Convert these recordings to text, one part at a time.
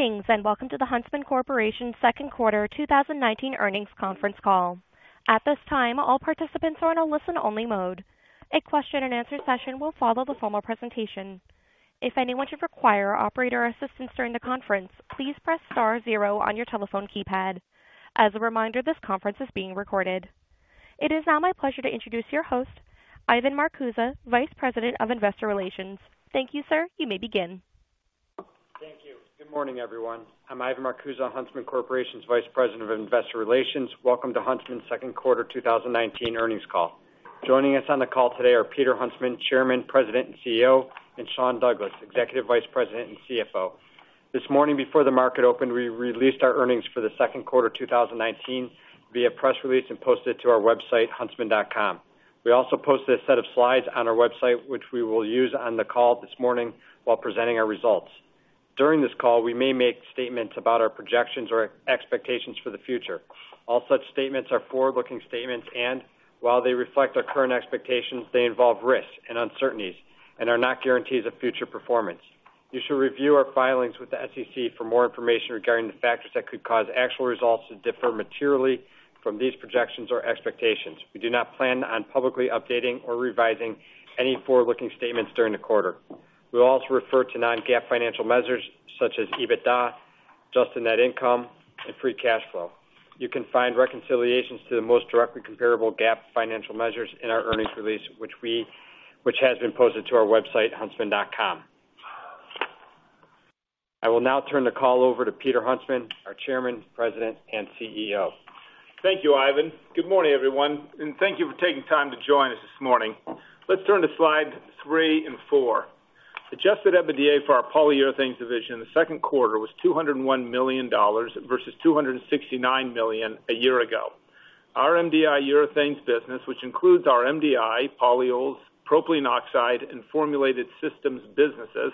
Greetings, welcome to the Huntsman Corporation's Second Quarter 2019 Earnings Conference Call. At this time, all participants are in a listen-only mode. A question-and-answer session will follow the formal presentation. If anyone should require operator assistance during the conference, please press star zero on your telephone keypad. As a reminder, this conference is being recorded. It is now my pleasure to introduce your host, Ivan Marcuse, Vice President of Investor Relations. Thank you, sir. You may begin. Thank you. Good morning, everyone. I'm Ivan Marcuse, Huntsman Corporation's Vice President of Investor Relations. Welcome to Huntsman's Second Quarter 2019 Earnings Call. Joining us on the call today are Peter Huntsman, Chairman, President, and CEO, and Sean Douglas, Executive Vice President and CFO. This morning before the market opened, we released our earnings for the second quarter 2019 via press release and posted it to our website, huntsman.com. We also posted a set of slides on our website, which we will use on the call this morning while presenting our results. During this call, we may make statements about our projections or expectations for the future. All such statements are forward-looking statements, and while they reflect our current expectations, they involve risks and uncertainties and are not guarantees of future performance. You should review our filings with the SEC for more information regarding the factors that could cause actual results to differ materially from these projections or expectations. We do not plan on publicly updating or revising any forward-looking statements during the quarter. We'll also refer to non-GAAP financial measures such as EBITDA, adjusted net income, and free cash flow. You can find reconciliations to the most directly comparable GAAP financial measures in our earnings release, which has been posted to our website, huntsman.com. I will now turn the call over to Peter Huntsman, our Chairman, President, and CEO. Thank you, Ivan. Good morning, everyone, and thank you for taking time to join us this morning. Let's turn to slide three and four. Adjusted EBITDA for our Polyurethanes division in the second quarter was $201 million versus $269 million a year ago. Our MDI urethanes business, which includes our MDI polyols, propylene oxide, and formulated systems businesses,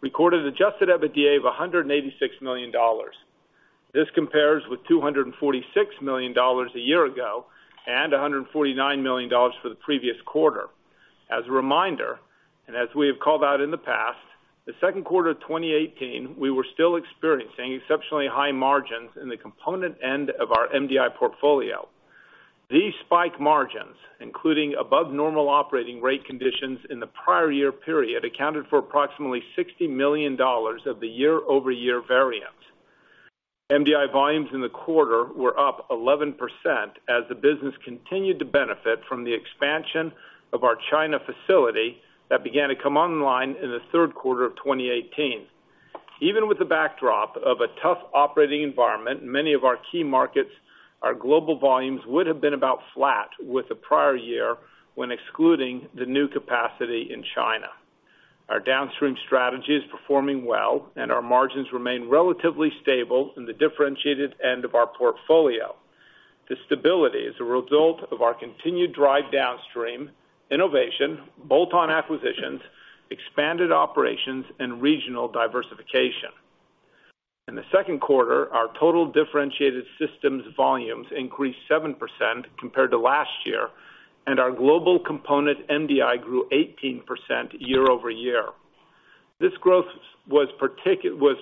recorded adjusted EBITDA of $186 million. This compares with $246 million a year ago and $149 million for the previous quarter. As a reminder, and as we have called out in the past, the second quarter of 2018, we were still experiencing exceptionally high margins in the component end of our MDI portfolio. These spike margins, including above normal operating rate conditions in the prior year period, accounted for approximately $60 million of the year-over-year variance. MDI volumes in the quarter were up 11% as the business continued to benefit from the expansion of our China facility that began to come online in the third quarter of 2018. Even with the backdrop of a tough operating environment in many of our key markets, our global volumes would have been about flat with the prior year when excluding the new capacity in China. Our downstream strategy is performing well, and our margins remain relatively stable in the differentiated end of our portfolio. This stability is a result of our continued drive downstream, innovation, bolt-on acquisitions, expanded operations, and regional diversification. In the second quarter, our total differentiated systems volumes increased 7% compared to last year, and our global component MDI grew 18% year-over-year. This growth was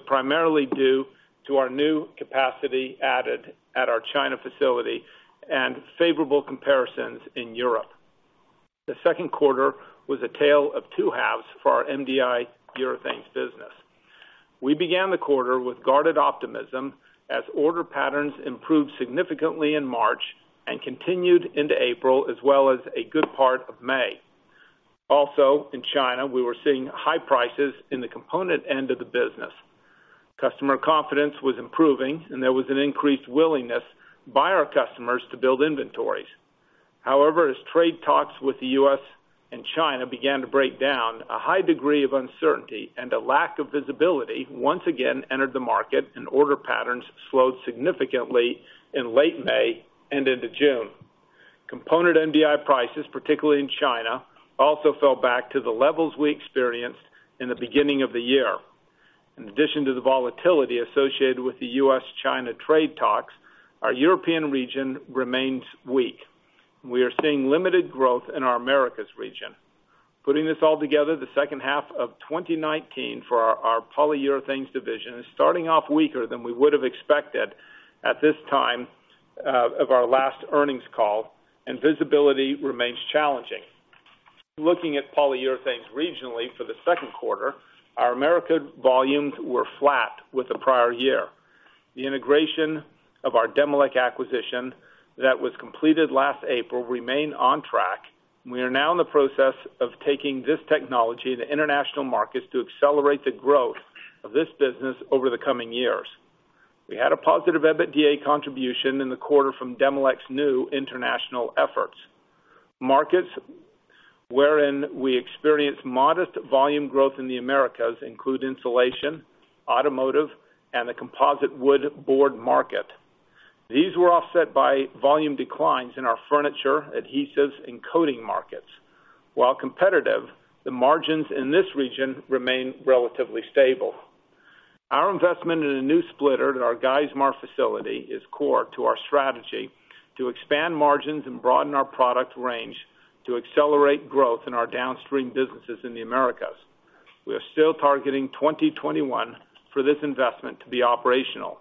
primarily due to our new capacity added at our China facility and favorable comparisons in Europe. The second quarter was a tale of two halves for our MDI Polyurethanes business. We began the quarter with guarded optimism as order patterns improved significantly in March and continued into April as well as a good part of May. In China, we were seeing high prices in the component end of the business. Customer confidence was improving, and there was an increased willingness by our customers to build inventories. As trade talks with the U.S. and China began to break down, a high degree of uncertainty and a lack of visibility once again entered the market, and order patterns slowed significantly in late May and into June. Component MDI prices, particularly in China, also fell back to the levels we experienced in the beginning of the year. In addition to the volatility associated with the U.S.-China trade talks, our European region remains weak. We are seeing limited growth in our Americas region. Putting this all together, the second half of 2019 for our Polyurethanes division is starting off weaker than we would have expected at this time of our last earnings call, and visibility remains challenging. Looking at Polyurethanes regionally for the second quarter, our Americas volumes were flat with the prior year. The integration of our Demilec acquisition that was completed last April remained on track. We are now in the process of taking this technology to the international markets to accelerate the growth of this business over the coming years. We had a positive EBITDA contribution in the quarter from Demilec's new international efforts. Markets wherein we experienced modest volume growth in the Americas include insulation, automotive, and the composite wood board market. These were offset by volume declines in our furniture, adhesives, and coating markets. While competitive, the margins in this region remain relatively stable. Our investment in a new splitter at our Geismar facility is core to our strategy to expand margins and broaden our product range to accelerate growth in our downstream businesses in the Americas. We are still targeting 2021 for this investment to be operational.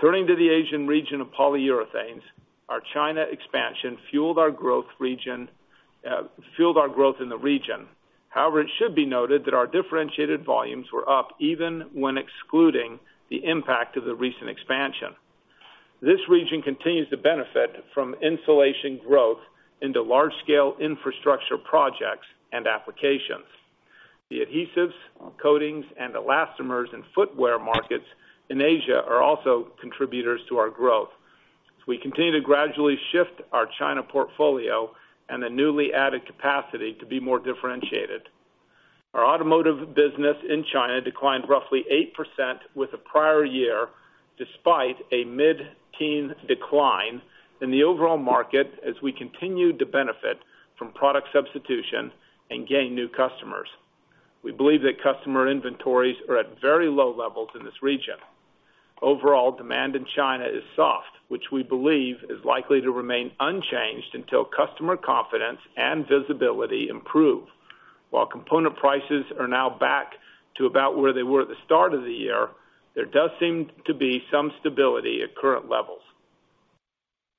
Turning to the Asian region of Polyurethanes, our China expansion fueled our growth in the region. However, it should be noted that our differentiated volumes were up even when excluding the impact of the recent expansion. This region continues to benefit from insulation growth into large-scale infrastructure projects and applications. The adhesives, coatings, and elastomers in footwear markets in Asia are also contributors to our growth, as we continue to gradually shift our China portfolio and the newly added capacity to be more differentiated. Our automotive business in China declined roughly 8% with the prior year, despite a mid-teen decline in the overall market, as we continued to benefit from product substitution and gain new customers. We believe that customer inventories are at very low levels in this region. Overall, demand in China is soft, which we believe is likely to remain unchanged until customer confidence and visibility improve. While component prices are now back to about where they were at the start of the year, there does seem to be some stability at current levels.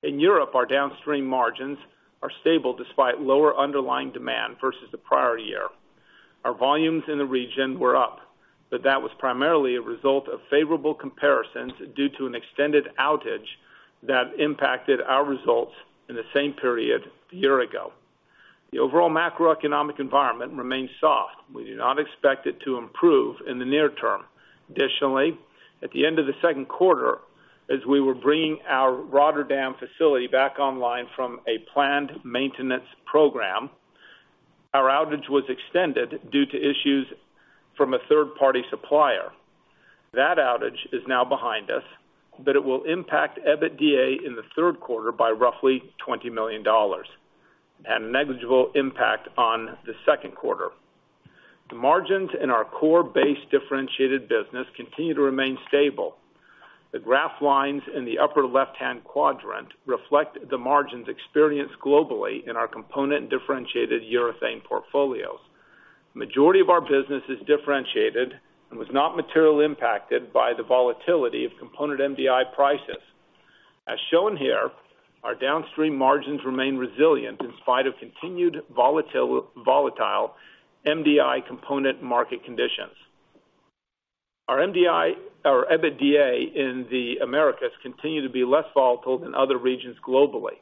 In Europe, our downstream margins are stable despite lower underlying demand versus the prior year. Our volumes in the region were up, but that was primarily a result of favorable comparisons due to an extended outage that impacted our results in the same period a year ago. The overall macroeconomic environment remains soft. We do not expect it to improve in the near term. Additionally, at the end of the second quarter, as we were bringing our Rotterdam facility back online from a planned maintenance program, our outage was extended due to issues from a third-party supplier. That outage is now behind us, it will impact EBITDA in the third quarter by roughly $20 million, and negligible impact on the second quarter. The margins in our core base differentiated business continue to remain stable. The graph lines in the upper left-hand quadrant reflect the margins experienced globally in our component differentiated urethane portfolios. Majority of our business is differentiated and was not materially impacted by the volatility of component MDI prices. As shown here, our downstream margins remain resilient in spite of continued volatile MDI component market conditions. Our EBITDA in the Americas continue to be less volatile than other regions globally.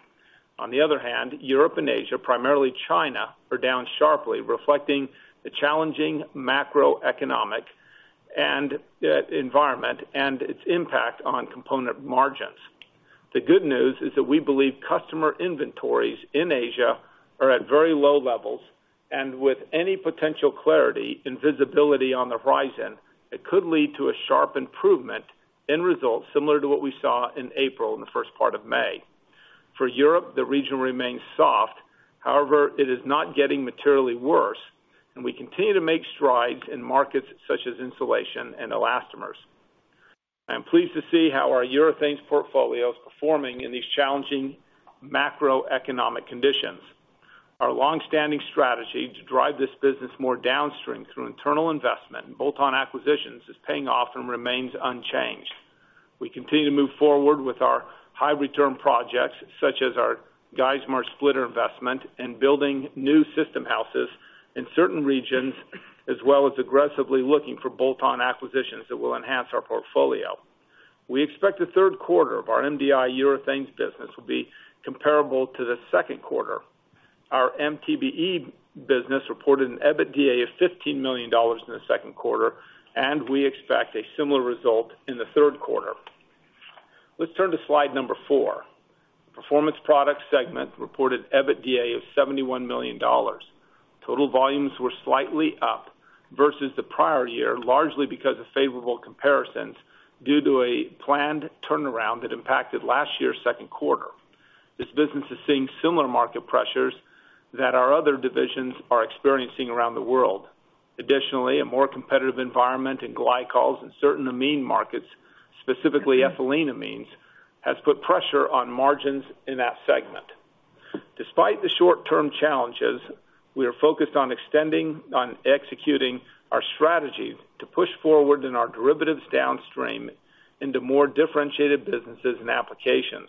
On the other hand, Europe and Asia, primarily China, are down sharply, reflecting the challenging macroeconomic environment and its impact on component margins. The good news is that we believe customer inventories in Asia are at very low levels, and with any potential clarity and visibility on the horizon, it could lead to a sharp improvement in results, similar to what we saw in April and the first part of May. For Europe, the region remains soft. However, it is not getting materially worse, and we continue to make strides in markets such as insulation and elastomers. I am pleased to see how our Urethanes portfolio is performing in these challenging macroeconomic conditions. Our longstanding strategy to drive this business more downstream through internal investment and bolt-on acquisitions is paying off and remains unchanged. We continue to move forward with our high-return projects, such as our Geismar splitter investment and building new system houses in certain regions, as well as aggressively looking for bolt-on acquisitions that will enhance our portfolio. We expect the third quarter of our MDI urethanes business will be comparable to the second quarter. Our MTBE business reported an EBITDA of $15 million in the second quarter, and we expect a similar result in the third quarter. Let's turn to slide number four. The Performance Products segment reported EBITDA of $71 million. Total volumes were slightly up versus the prior year, largely because of favorable comparisons due to a planned turnaround that impacted last year's second quarter. This business is seeing similar market pressures that our other divisions are experiencing around the world. Additionally, a more competitive environment in glycols and certain amine markets, specifically ethyleneamines, has put pressure on margins in that segment. Despite the short-term challenges, we are focused on executing our strategy to push forward in our derivatives downstream into more differentiated businesses and applications.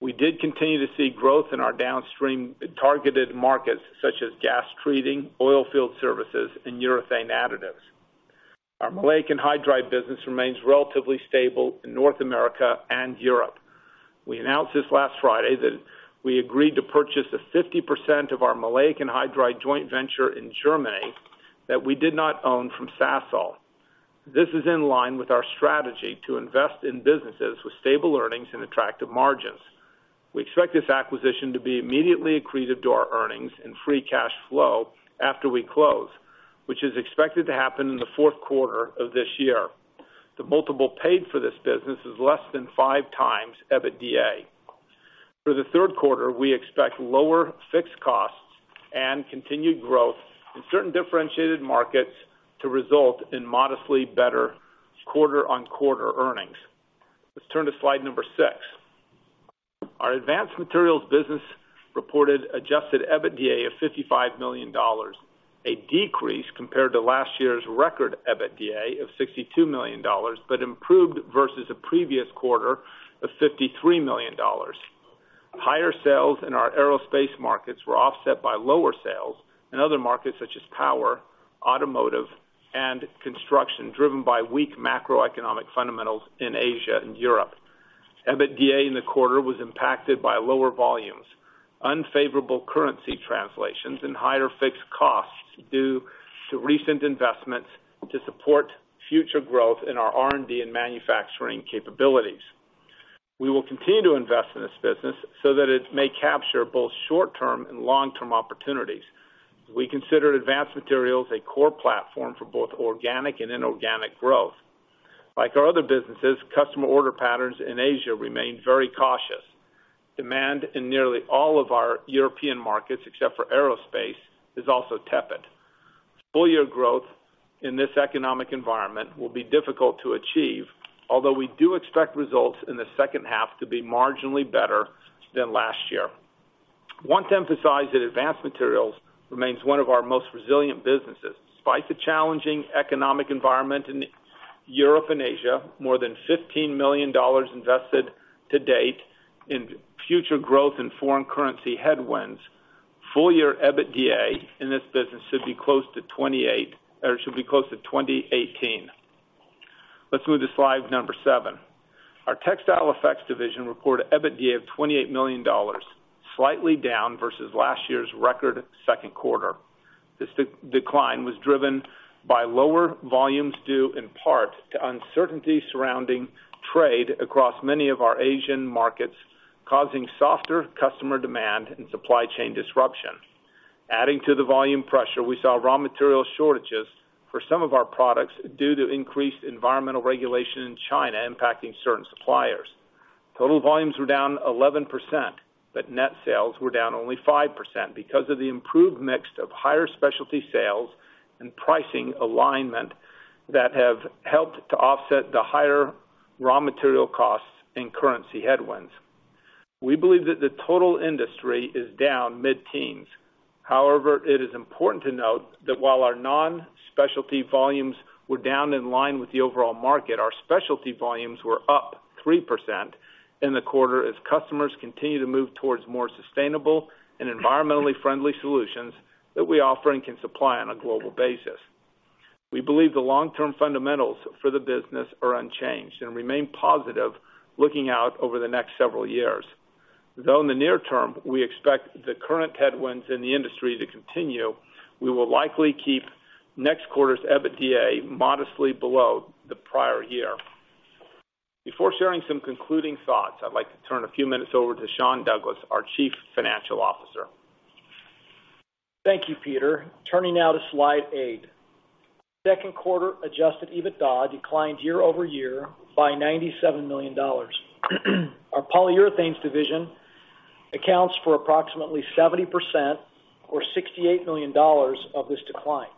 We did continue to see growth in our downstream targeted markets such as gas treating, oil field services, and urethane additives. Our Maleic Anhydride business remains relatively stable in North America and Europe. We announced this last Friday that we agreed to purchase a 50% of our Maleic Anhydride joint venture in Germany that we did not own from Sasol. This is in line with our strategy to invest in businesses with stable earnings and attractive margins. We expect this acquisition to be immediately accretive to our earnings and free cash flow after we close, which is expected to happen in the fourth quarter of this year. The multiple paid for this business is less than 5x EBITDA. For the third quarter, we expect lower fixed costs and continued growth in certain differentiated markets to result in modestly better quarter-on-quarter earnings. Let's turn to slide number six. Our Advanced Materials business reported adjusted EBITDA of $55 million, a decrease compared to last year's record EBITDA of $62 million, but improved versus the previous quarter of $53 million. Higher sales in our aerospace markets were offset by lower sales in other markets such as power, automotive, and construction, driven by weak macroeconomic fundamentals in Asia and Europe. EBITDA in the quarter was impacted by lower volumes, unfavorable currency translations, and higher fixed costs due to recent investments to support future growth in our R&D and manufacturing capabilities. We will continue to invest in this business so that it may capture both short-term and long-term opportunities. We consider Advanced Materials a core platform for both organic and inorganic growth. Like our other businesses, customer order patterns in Asia remain very cautious. Demand in nearly all of our European markets, except for aerospace, is also tepid. Full year growth in this economic environment will be difficult to achieve, although we do expect results in the second half to be marginally better than last year. I want to emphasize that Advanced Materials remains one of our most resilient businesses. Despite the challenging economic environment in Europe and Asia, more than $15 million invested to date in future growth and foreign currency headwinds, full year EBITDA in this business should be close to 2018. Let's move to slide number seven. Our Textile Effects division reported EBITDA of $28 million, slightly down versus last year's record second quarter. This decline was driven by lower volumes, due in part to uncertainty surrounding trade across many of our Asian markets, causing softer customer demand and supply chain disruption. Adding to the volume pressure, we saw raw material shortages for some of our products due to increased environmental regulation in China, impacting certain suppliers. Total volumes were down 11%, but net sales were down only 5% because of the improved mix of higher specialty sales and pricing alignment that have helped to offset the higher raw material costs and currency headwinds. We believe that the total industry is down mid-teens. It is important to note that while our non-specialty volumes were down in line with the overall market, our specialty volumes were up 3% in the quarter as customers continue to move towards more sustainable and environmentally friendly solutions that we offer and can supply on a global basis. We believe the long-term fundamentals for the business are unchanged and remain positive looking out over the next several years. In the near term, we expect the current headwinds in the industry to continue, we will likely keep next quarter's EBITDA modestly below the prior year. Before sharing some concluding thoughts, I'd like to turn a few minutes over to Sean Douglas, our Chief Financial Officer. Thank you, Peter. Turning now to slide eight. Second quarter adjusted EBITDA declined year-over-year by $97 million. Our Polyurethanes division accounts for approximately 70%, or $68 million of this decline.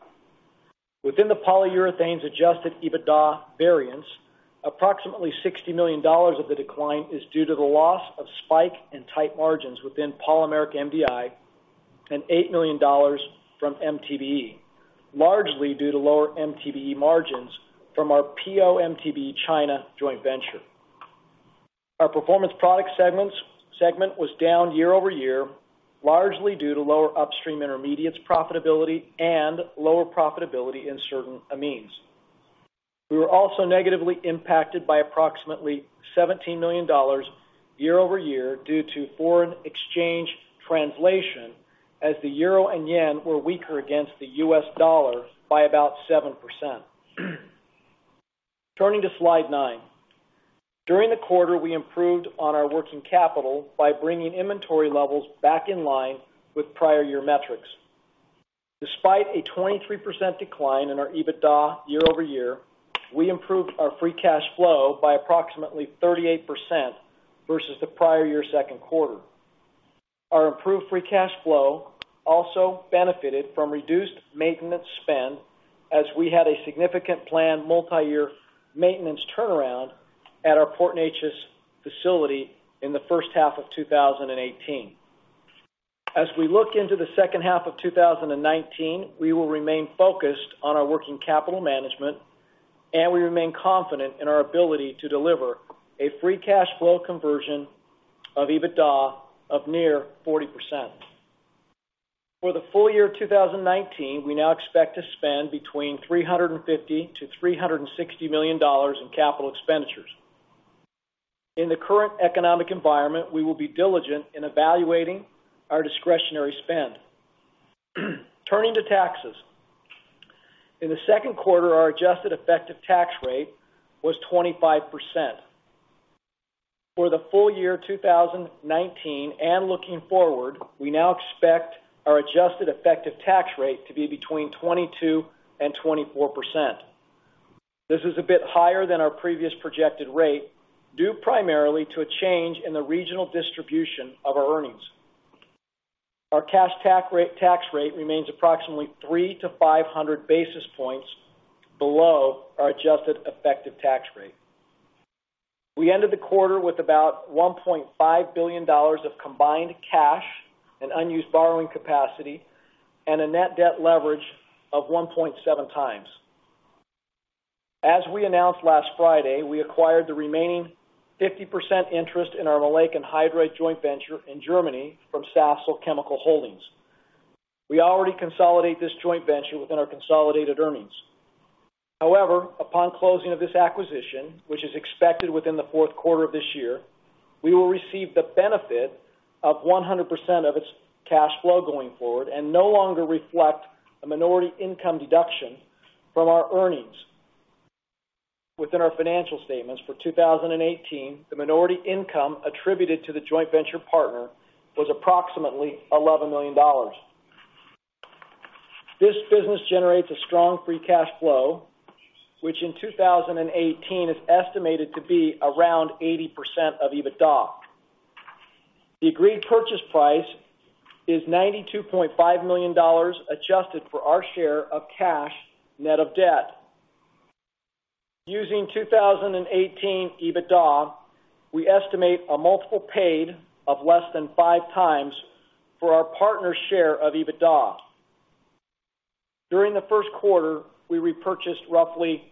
Within the Polyurethanes adjusted EBITDA variance, approximately $60 million of the decline is due to the loss of spike and tight margins within Polymeric MDI and $8 million from MTBE, largely due to lower MTBE margins from our PO/MTBE China joint venture. Our Performance Products segment was down year-over-year, largely due to lower upstream intermediates profitability and lower profitability in certain amines. We were also negatively impacted by approximately $17 million year-over-year due to foreign exchange translation, as the euro and yen were weaker against the U.S. dollar by about 7%. Turning to slide nine. During the quarter, we improved on our working capital by bringing inventory levels back in line with prior year metrics. Despite a 23% decline in our EBITDA year-over-year, we improved our free cash flow by approximately 38% versus the prior year second quarter. Our improved free cash flow also benefited from reduced maintenance spend as we had a significant planned multi-year maintenance turnaround at our Port Neches facility in the first half of 2018. As we look into the second half of 2019, we will remain focused on our working capital management, and we remain confident in our ability to deliver a free cash flow conversion of EBITDA of near 40%. For the full year 2019, we now expect to spend between $350 million-$360 million in capital expenditures. In the current economic environment, we will be diligent in evaluating our discretionary spend. Turning to taxes. In the second quarter, our adjusted effective tax rate was 25%. For the full year 2019 and looking forward, we now expect our adjusted effective tax rate to be between 22% and 24%. This is a bit higher than our previous projected rate, due primarily to a change in the regional distribution of our earnings. Our cash tax rate remains approximately 300-500 basis points below our adjusted effective tax rate. We ended the quarter with about $1.5 billion of combined cash and unused borrowing capacity and a net debt leverage of 1.7x. As we announced last Friday, we acquired the remaining 50% interest in our Maleic Anhydride joint venture in Germany from Sasol Chemical Holdings. We already consolidate this joint venture within our consolidated earnings. However, upon closing of this acquisition, which is expected within the fourth quarter of this year, we will receive the benefit of 100% of its cash flow going forward and no longer reflect a minority income deduction from our earnings. Within our financial statements for 2018, the minority income attributed to the joint venture partner was approximately $11 million. This business generates a strong free cash flow, which in 2018 is estimated to be around 80% of EBITDA. The agreed purchase price is $92.5 million, adjusted for our share of cash, net of debt. Using 2018 EBITDA, we estimate a multiple paid of less than five times for our partner's share of EBITDA. During the first quarter, we repurchased roughly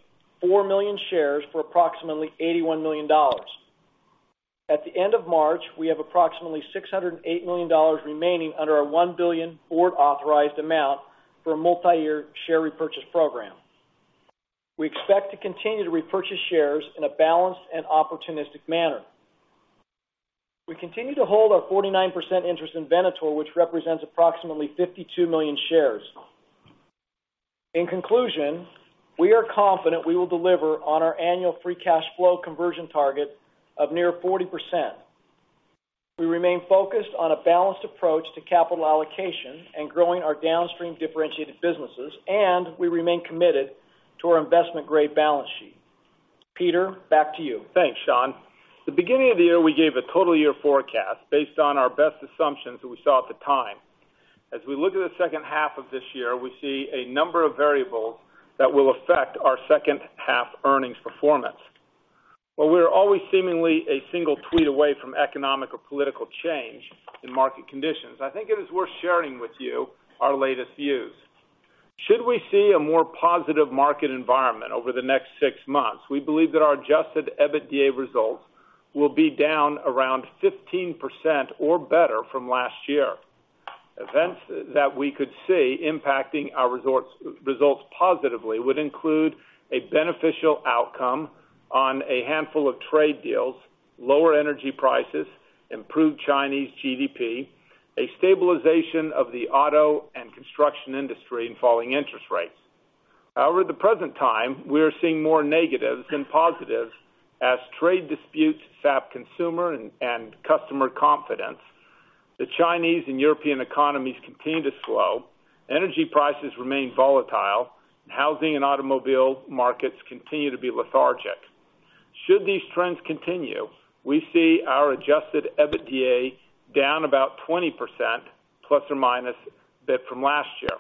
4 million shares for approximately $81 million. At the end of March, we have approximately $608 million remaining under our $1 billion board-authorized amount for a multi-year share repurchase program. We expect to continue to repurchase shares in a balanced and opportunistic manner. We continue to hold our 49% interest in Venator, which represents approximately 52 million shares. In conclusion, we are confident we will deliver on our annual free cash flow conversion target of near 40%. We remain focused on a balanced approach to capital allocation and growing our downstream differentiated businesses. We remain committed to our investment-grade balance sheet. Peter, back to you. Thanks, Sean. At the beginning of the year, we gave a total year forecast based on our best assumptions that we saw at the time. As we look at the second half of this year, we see a number of variables that will affect our second half earnings performance. While we are always seemingly a single tweet away from economic or political change in market conditions, I think it is worth sharing with you our latest views. Should we see a more positive market environment over the next six months, we believe that our adjusted EBITDA results will be down around 15% or better from last year. Events that we could see impacting our results positively would include a beneficial outcome on a handful of trade deals, lower energy prices, improved Chinese GDP, a stabilization of the auto and construction industry, and falling interest rates. However, at the present time, we are seeing more negatives than positives as trade disputes SAP consumer and customer confidence. The Chinese and European economies continue to slow, energy prices remain volatile, and housing and automobile markets continue to be lethargic. Should these trends continue, we see our adjusted EBITDA down about ±20% from last year.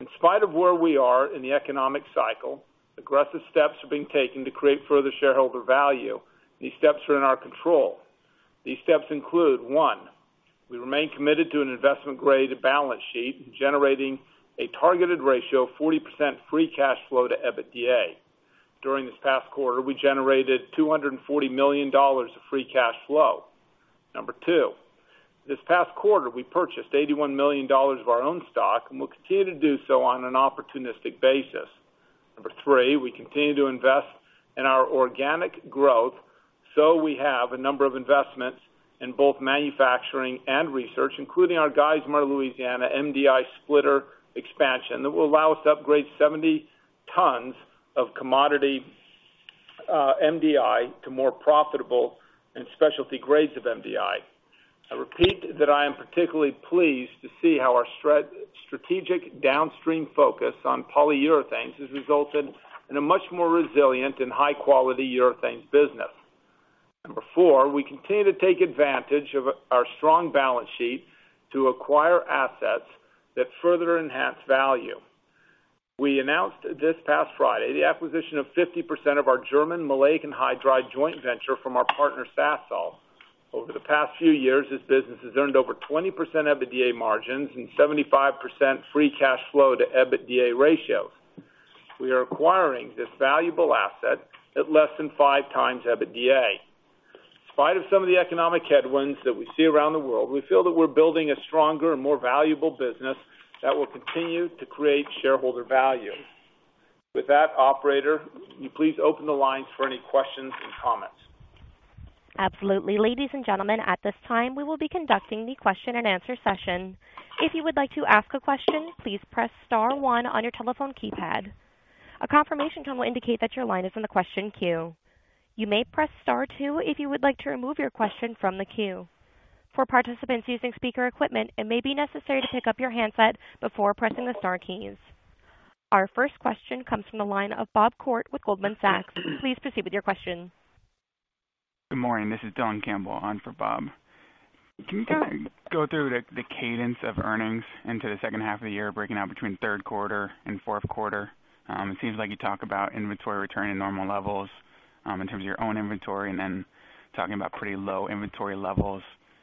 In spite of where we are in the economic cycle, aggressive steps are being taken to create further shareholder value. These steps are in our control. These steps include, one, we remain committed to an investment-grade balance sheet, generating a targeted ratio of 40% free cash flow to EBITDA. During this past quarter, we generated $240 million of free cash flow. Number two, This past quarter, we purchased $81 million of our own stock, and we'll continue to do so on an opportunistic basis. Number three, we continue to invest in our organic growth, so we have a number of investments in both manufacturing and research, including our Geismar, Louisiana MDI splitter expansion that will allow us to upgrade 70 tons of commodity MDI to more profitable and specialty grades of MDI. I repeat that I am particularly pleased to see how our strategic downstream focus on Polyurethanes has resulted in a much more resilient and high-quality urethanes business. Number four, we continue to take advantage of our strong balance sheet to acquire assets that further enhance value. We announced this past Friday the acquisition of 50% of our German Maleic Anhydride joint venture from our partner, Sasol. Over the past few years, this business has earned over 20% EBITDA margins and 75% free cash flow to EBITDA ratios. We are acquiring this valuable asset at less than five times EBITDA. In spite of some of the economic headwinds that we see around the world, we feel that we're building a stronger and more valuable business that will continue to create shareholder value. With that, Operator, will you please open the lines for any questions and comments? Absolutely. Ladies and gentlemen, at this time, we will be conducting the question and answer session. If you would like to ask a question, please press star one on your telephone keypad. A confirmation tone will indicate that your line is in the question queue. You may press star two if you would like to remove your question from the queue. For participants using speaker equipment, it may be necessary to pick up your handset before pressing the star keys. Our first question comes from the line of Bob Koort with Goldman Sachs. Please proceed with your question. Good morning. This is Dylan Campbell on for Bob. Can you kind of go through the cadence of earnings into the second half of the year, breaking out between third quarter and fourth quarter? It seems like you talk about inventory returning normal levels in terms of your own inventory, and then talking about pretty low inventory levels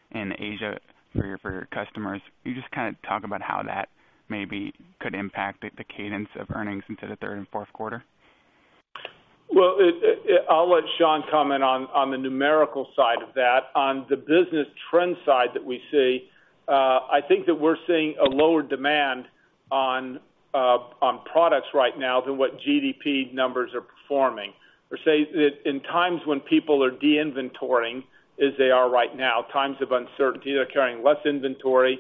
in Asia for your customers. Can you just talk about how that maybe could impact the cadence of earnings into the third and fourth quarter? Well, I'll let Sean comment on the numerical side of that. On the business trend side that we see, I think that we're seeing a lower demand on products right now than what GDP numbers are performing. Say, in times when people are de-inventoring, as they are right now, times of uncertainty, they're carrying less inventory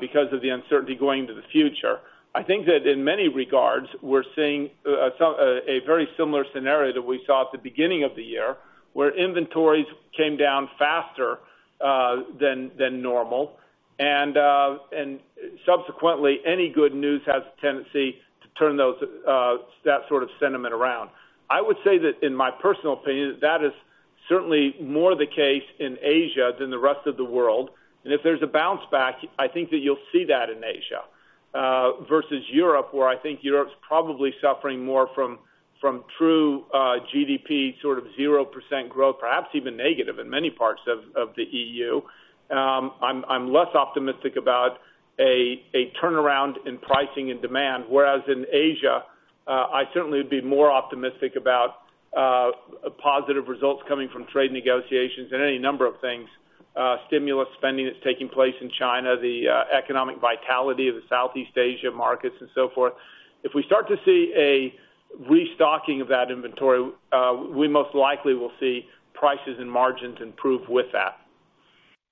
because of the uncertainty going to the future. I think that in many regards, we're seeing a very similar scenario that we saw at the beginning of the year, where inventories came down faster than normal. Subsequently, any good news has a tendency to turn that sort of sentiment around. I would say that in my personal opinion, that is certainly more the case in Asia than the rest of the world. If there's a bounce back, I think that you'll see that in Asia versus Europe, where I think Europe's probably suffering more from true GDP sort of 0% growth, perhaps even negative in many parts of the EU. I'm less optimistic about a turnaround in pricing and demand, whereas in Asia, I certainly would be more optimistic about positive results coming from trade negotiations and any number of things. Stimulus spending that's taking place in China, the economic vitality of the Southeast Asia markets and so forth. If we start to see a restocking of that inventory, we most likely will see prices and margins improve with that.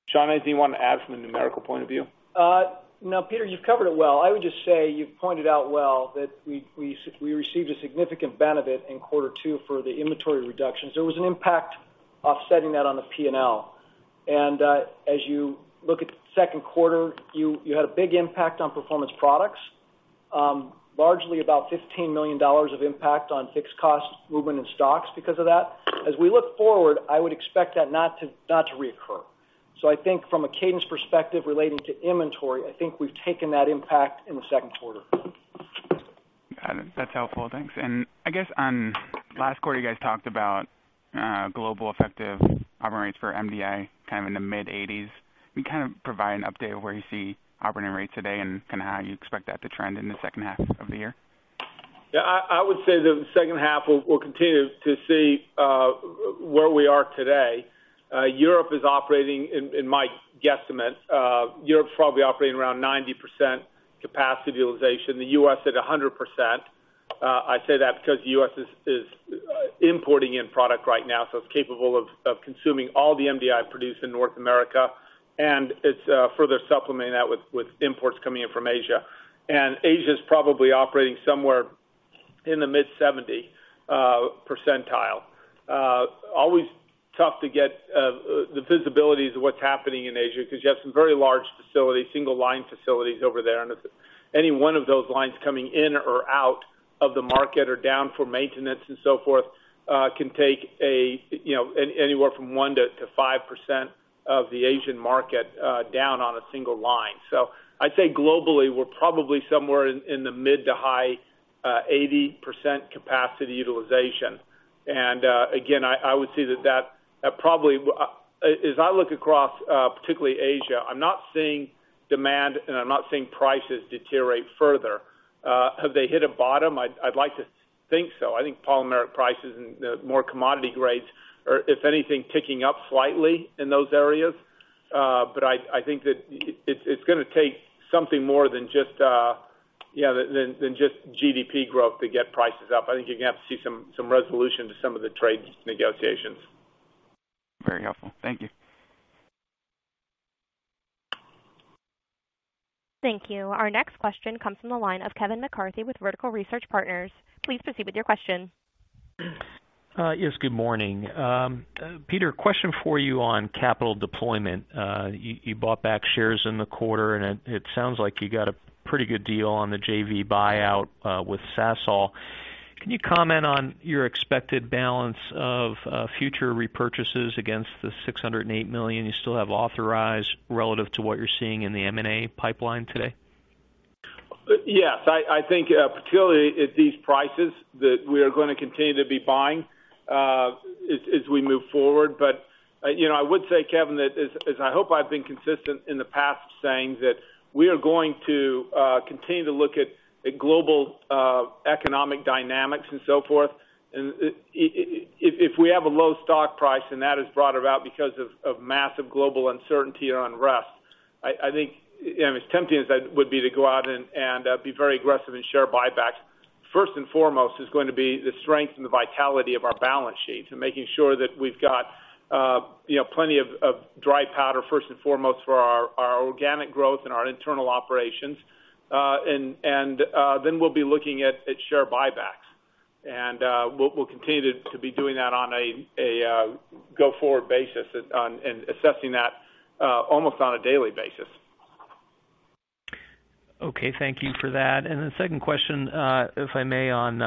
Sean, anything you want to add from the numerical point of view? No, Peter, you've covered it well. I would just say you've pointed out well that we received a significant benefit in quarter two for the inventory reductions. There was an impact offsetting that on the P&L. As you look at the second quarter, you had a big impact on Performance Products. Largely about $15 million of impact on fixed cost movement in stocks because of that. As we look forward, I would expect that not to reoccur. I think from a cadence perspective relating to inventory, I think we've taken that impact in the second quarter. Got it. That's helpful. Thanks. I guess on last quarter, you guys talked about global effective operating rates for MDI kind of in the mid-80s. Can you kind of provide an update of where you see operating rates today and kind of how you expect that to trend in the second half of the year? Yeah, I would say that in the second half we'll continue to see where we are today. Europe is operating, in my guesstimate, Europe's probably operating around 90% capacity utilization. The U.S. at 100%. I say that because the U.S. is importing in product right now, so it's capable of consuming all the MDI produced in North America, and it's further supplementing that with imports coming in from Asia. Asia's probably operating somewhere in the mid-70 percentile. Always tough to get the visibilities of what's happening in Asia because you have some very large facilities, single line facilities over there, and if any one of those lines coming in or out of the market or down for maintenance and so forth can take anywhere from 1%-5% of the Asian market down on a single line. I'd say globally, we're probably somewhere in the mid to high 80% capacity utilization. Again, I would say that probably as I look across particularly Asia, I'm not seeing demand and I'm not seeing prices deteriorate further. Have they hit a bottom? I'd like to think so. I think polymeric prices and the more commodity grades are, if anything, ticking up slightly in those areas. I think that it's gonna take something more than just GDP growth to get prices up. I think you're gonna have to see some resolution to some of the trade negotiations. Very helpful. Thank you. Thank you. Our next question comes from the line of Kevin McCarthy with Vertical Research Partners. Please proceed with your question. Yes, good morning. Peter, question for you on capital deployment. You bought back shares in the quarter, and it sounds like you got a pretty good deal on the JV buyout with Sasol. Can you comment on your expected balance of future repurchases against the $608 million you still have authorized relative to what you're seeing in the M&A pipeline today? Yes, I think particularly at these prices, that we are gonna continue to be buying as we move forward. I would say, Kevin, that as I hope I've been consistent in the past saying that we are going to continue to look at global economic dynamics and so forth. If we have a low stock price and that is brought about because of massive global uncertainty or unrest, I think as tempting as that would be to go out and be very aggressive in share buybacks, first and foremost, it's going to be the strength and the vitality of our balance sheet and making sure that we've got plenty of dry powder, first and foremost, for our organic growth and our internal operations. Then we'll be looking at share buybacks. We'll continue to be doing that on a go-forward basis and assessing that almost on a daily basis. Okay, thank you for that. The second question, if I may, on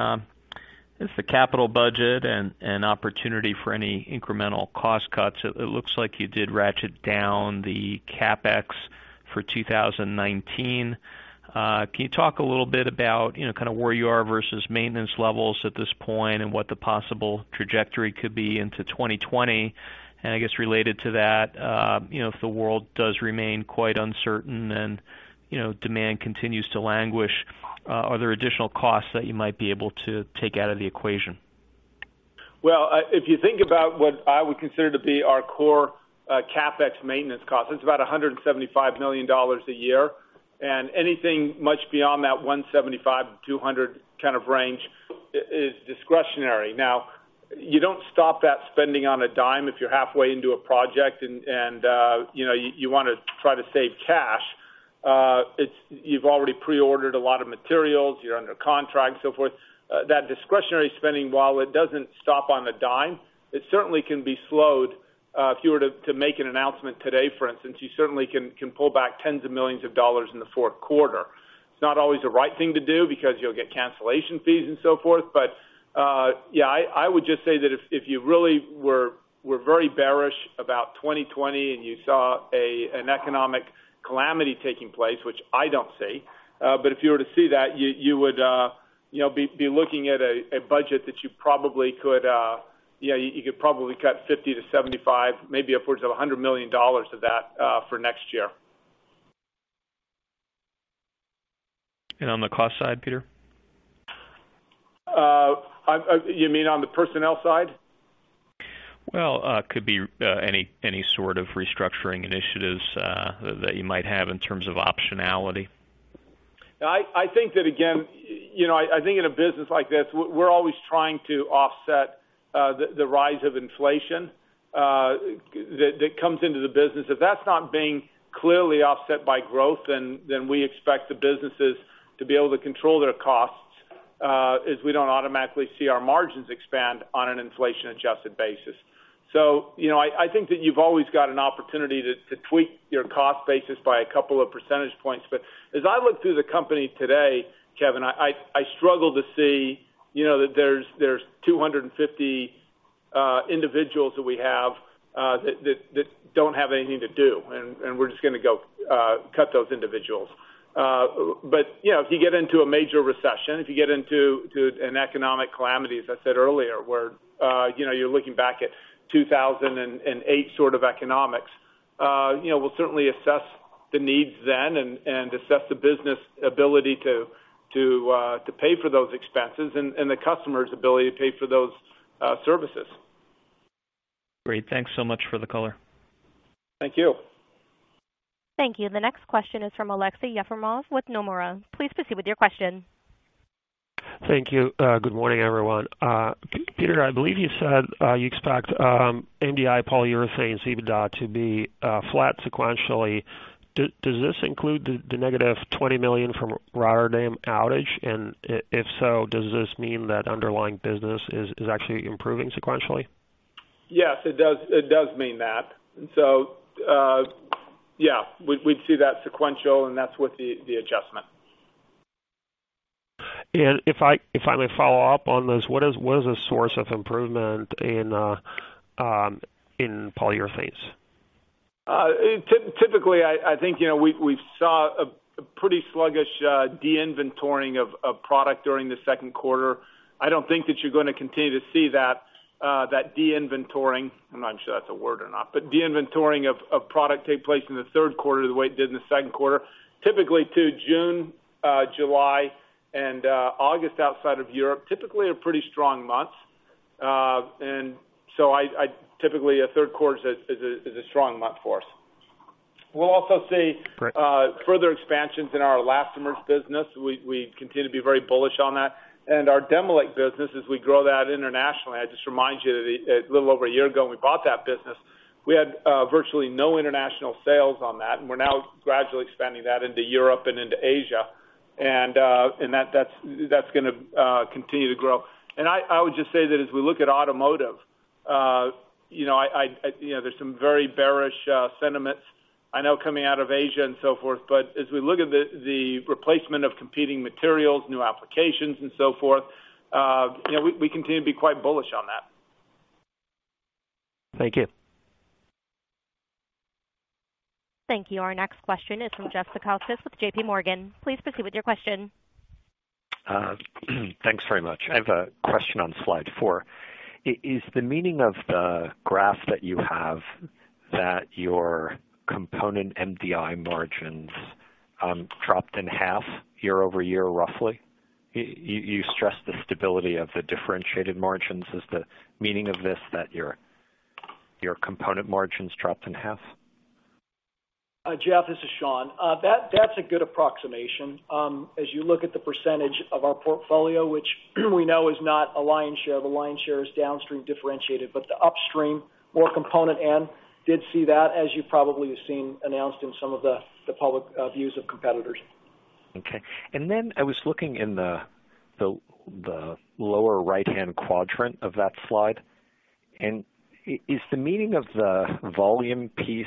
the capital budget and opportunity for any incremental cost cuts. It looks like you did ratchet down the CapEx for 2019. Can you talk a little bit about where you are versus maintenance levels at this point and what the possible trajectory could be into 2020? I guess related to that, if the world does remain quite uncertain and demand continues to languish, are there additional costs that you might be able to take out of the equation? If you think about what I would consider to be our core CapEx maintenance cost, it's about $175 million a year, and anything much beyond that $175 million, $200 million kind of range is discretionary. You don't stop that spending on a dime if you're halfway into a project and you want to try to save cash. You've already pre-ordered a lot of materials, you're under contract, so forth. That discretionary spending, while it doesn't stop on a dime, it certainly can be slowed. If you were to make an announcement today, for instance, you certainly can pull back tens of millions of dollars in the fourth quarter. It's not always the right thing to do because you'll get cancellation fees and so forth. Yeah, I would just say that if you really were very bearish about 2020 and you saw an economic calamity taking place, which I don't see, but if you were to see that, you would be looking at a budget that you could probably cut $50 million-$75 million, maybe upwards of $100 million of that for next year. On the cost side, Peter? You mean on the personnel side? Well, could be any sort of restructuring initiatives that you might have in terms of optionality. I think in a business like this, we're always trying to offset the rise of inflation that comes into the business. If that's not being clearly offset by growth, we expect the businesses to be able to control their costs, as we don't automatically see our margins expand on an inflation-adjusted basis. I think that you've always got an opportunity to tweak your cost basis by a couple of percentage points. As I look through the company today, Kevin, I struggle to see that there's 250 individuals that we have that don't have anything to do, and we're just going to go cut those individuals. If you get into a major recession, if you get into an economic calamity, as I said earlier, where you're looking back at 2008 sort of economics, we'll certainly assess the needs then and assess the business ability to pay for those expenses and the customer's ability to pay for those services. Great. Thanks so much for the color. Thank you. Thank you. The next question is from Aleksey Yefremov with Nomura. Please proceed with your question. Thank you. Good morning, everyone. Peter, I believe you said you expect MDI Polyurethanes EBITDA to be flat sequentially. Does this include the -$20 million from Rotterdam outage? If so, does this mean that underlying business is actually improving sequentially? Yes, it does mean that. Yeah, we'd see that sequential, and that's with the adjustment. If I may follow up on this, what is the source of improvement in Polyurethanes? Typically, I think we saw a pretty sluggish de-inventoring of product during the second quarter. I don't think that you're going to continue to see that de-inventoring. I'm not sure that's a word or not, but de-inventoring of product take place in the third quarter the way it did in the second quarter. Typically too, June, July, and August outside of Europe, typically are pretty strong months. Typically, a third quarter is a strong month for us. Great. Further expansions in our elastomers business. We continue to be very bullish on that. Our Demilec business, as we grow that internationally. I just remind you that a little over a year ago, when we bought that business, we had virtually no international sales on that, and we're now gradually expanding that into Europe and into Asia. That's going to continue to grow. I would just say that as we look at automotive, there's some very bearish sentiments I know coming out of Asia and so forth. As we look at the replacement of competing materials, new applications, and so forth, we continue to be quite bullish on that. Thank you. Thank you. Our next question is from Jeff Zekauskas with JPMorgan. Please proceed with your question. Thanks very much. I have a question on slide four. Is the meaning of the graph that you have that your component MDI margins dropped in half year-over-year, roughly? You stress the stability of the differentiated margins. Is the meaning of this that your component margins dropped in half? Jeff, this is Sean. That's a good approximation. As you look at the percentage of our portfolio, which we know is not a lion's share. The lion's share is downstream differentiated. The upstream, more component and did see that, as you probably have seen announced in some of the public views of competitors. Okay. I was looking in the lower right-hand quadrant of that slide. Is the meaning of the volume piece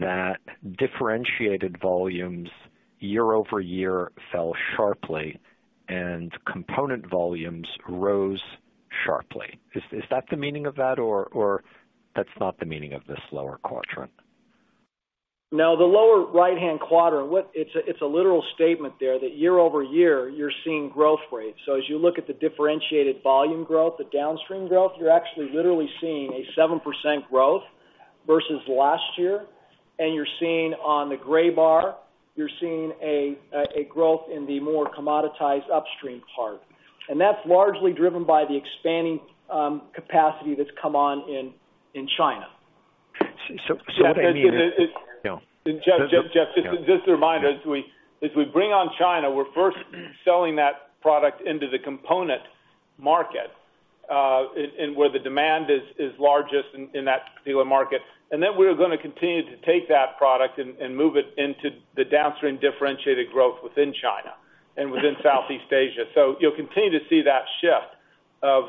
that differentiated volumes year over year fell sharply and component volumes rose sharply? Is that the meaning of that, or that's not the meaning of this lower quadrant? The lower right-hand quadrant, it's a literal statement there that year-over-year you're seeing growth rates. As you look at the differentiated volume growth, the downstream growth, you're actually literally seeing a 7% growth versus last year. You're seeing on the gray bar, you're seeing a growth in the more commoditized upstream part. That's largely driven by the expanding capacity that's come on in China. So any- Jeff, just a reminder, as we bring on China, we're first selling that product into the component market, where the demand is largest in that particular market, then we're going to continue to take that product and move it into the downstream differentiated growth within China and within Southeast Asia. You'll continue to see that shift of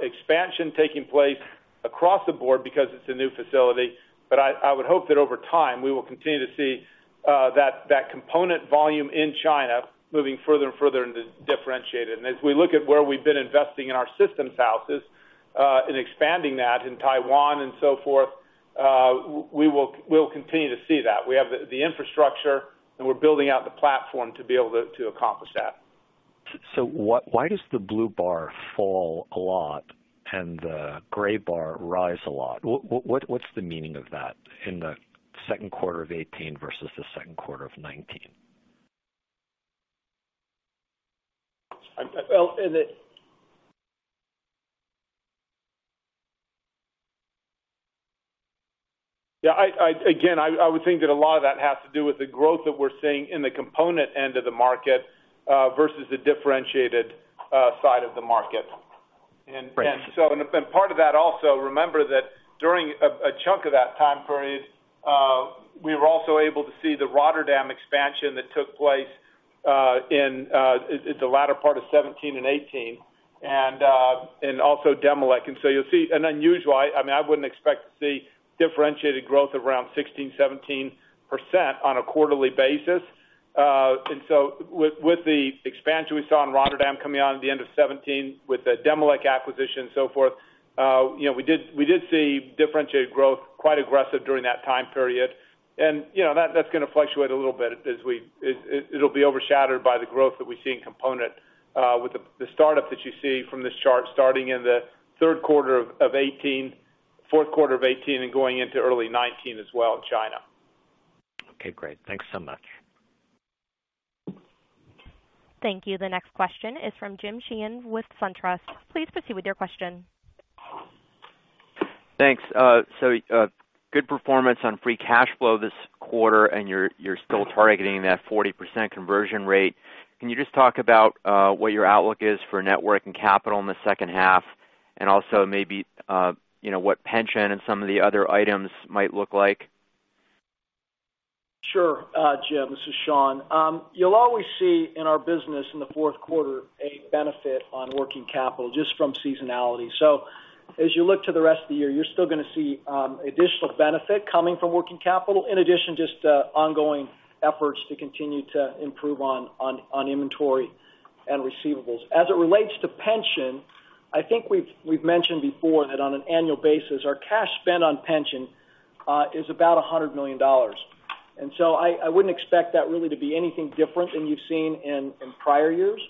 expansion taking place across the board because it's a new facility. I would hope that over time, we will continue to see that component volume in China moving further and further into differentiated. As we look at where we've been investing in our systems houses, and expanding that in Taiwan and so forth, we'll continue to see that. We have the infrastructure, and we're building out the platform to be able to accomplish that. Why does the blue bar fall a lot and the gray bar rise a lot? What's the meaning of that in the second quarter of 2018 versus the second quarter of 2019? I would think that a lot of that has to do with the growth that we're seeing in the component end of the market, versus the differentiated side of the market. Right. Part of that also, remember that during a chunk of that time period, we were also able to see the Rotterdam expansion that took place in the latter part of 2017 and 2018, also Demilec. You'll see I wouldn't expect to see differentiated growth around 16%-17% on a quarterly basis. With the expansion we saw in Rotterdam coming on at the end of 2017 with the Demilec acquisition, so forth, we did see differentiated growth quite aggressive during that time period. That's going to fluctuate a little bit. It'll be overshadowed by the growth that we see in component, with the startup that you see from this chart starting in the third quarter of 2018, fourth quarter of 2018, and going into early 2019 as well in China. Okay, great. Thanks so much. Thank you. The next question is from Jim Sheehan with SunTrust. Please proceed with your question. Thanks. Good performance on free cash flow this quarter, and you're still targeting that 40% conversion rate. Can you just talk about what your outlook is for net working capital in the second half, and also maybe what pension and some of the other items might look like? Sure, Jim, this is Sean. You'll always see in our business in the fourth quarter a benefit on working capital just from seasonality. As you look to the rest of the year, you're still going to see additional benefit coming from working capital, in addition to just ongoing efforts to continue to improve on inventory and receivables. As it relates to pension, I think we've mentioned before that on an annual basis, our cash spend on pension is about $100 million. I wouldn't expect that really to be anything different than you've seen in prior years.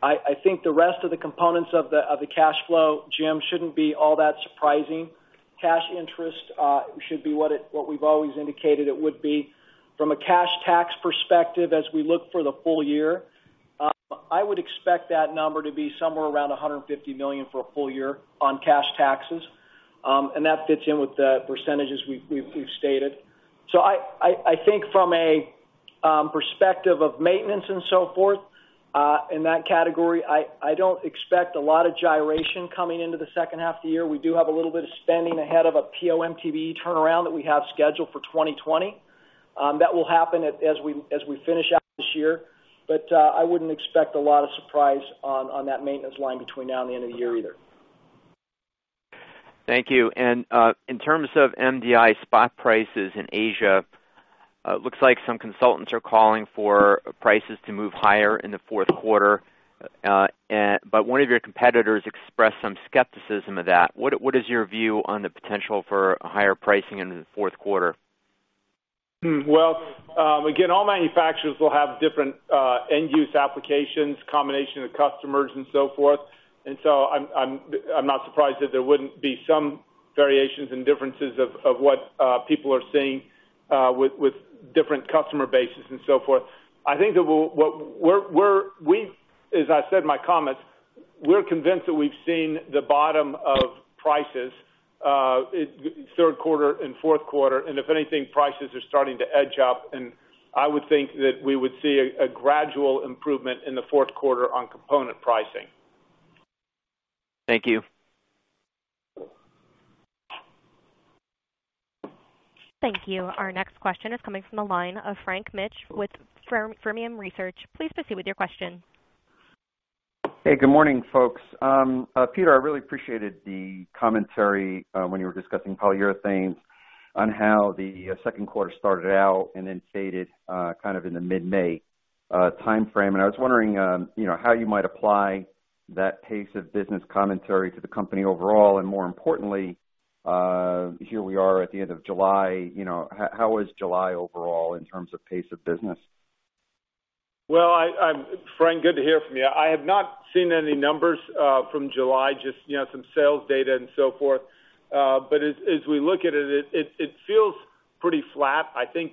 I think the rest of the components of the cash flow, Jim, shouldn't be all that surprising. Cash interest should be what we've always indicated it would be. From a cash tax perspective, as we look for the full year, I would expect that number to be somewhere around $150 million for a full year on cash taxes. That fits in with the percentages we've stated. I think from a perspective of maintenance and so forth in that category, I don't expect a lot of gyration coming into the second half of the year. We do have a little bit of spending ahead of a PO/MTBE turnaround that we have scheduled for 2020. That will happen as we finish out this year. I wouldn't expect a lot of surprise on that maintenance line between now and the end of the year either. Thank you. In terms of MDI spot prices in Asia, looks like some consultants are calling for prices to move higher in the fourth quarter. One of your competitors expressed some skepticism of that. What is your view on the potential for higher pricing in the fourth quarter? Well, again, all manufacturers will have different end-use applications, combination of customers, and so forth. I'm not surprised that there wouldn't be some variations and differences of what people are seeing with different customer bases and so forth. As I said in my comments, we're convinced that we've seen the bottom of prices, third quarter and fourth quarter, and if anything, prices are starting to edge up. I would think that we would see a gradual improvement in the fourth quarter on component pricing. Thank you. Thank you. Our next question is coming from the line of Frank Mitsch with Fermium Research. Please proceed with your question. Hey, good morning, folks. Peter, I really appreciated the commentary when you were discussing Polyurethanes on how the second quarter started out and then faded kind of in the mid-May timeframe. I was wondering how you might apply that pace of business commentary to the company overall, and more importantly, here we are at the end of July, how was July overall in terms of pace of business? Well, Frank, good to hear from you. I have not seen any numbers from July, just some sales data and so forth. As we look at it feels pretty flat. To be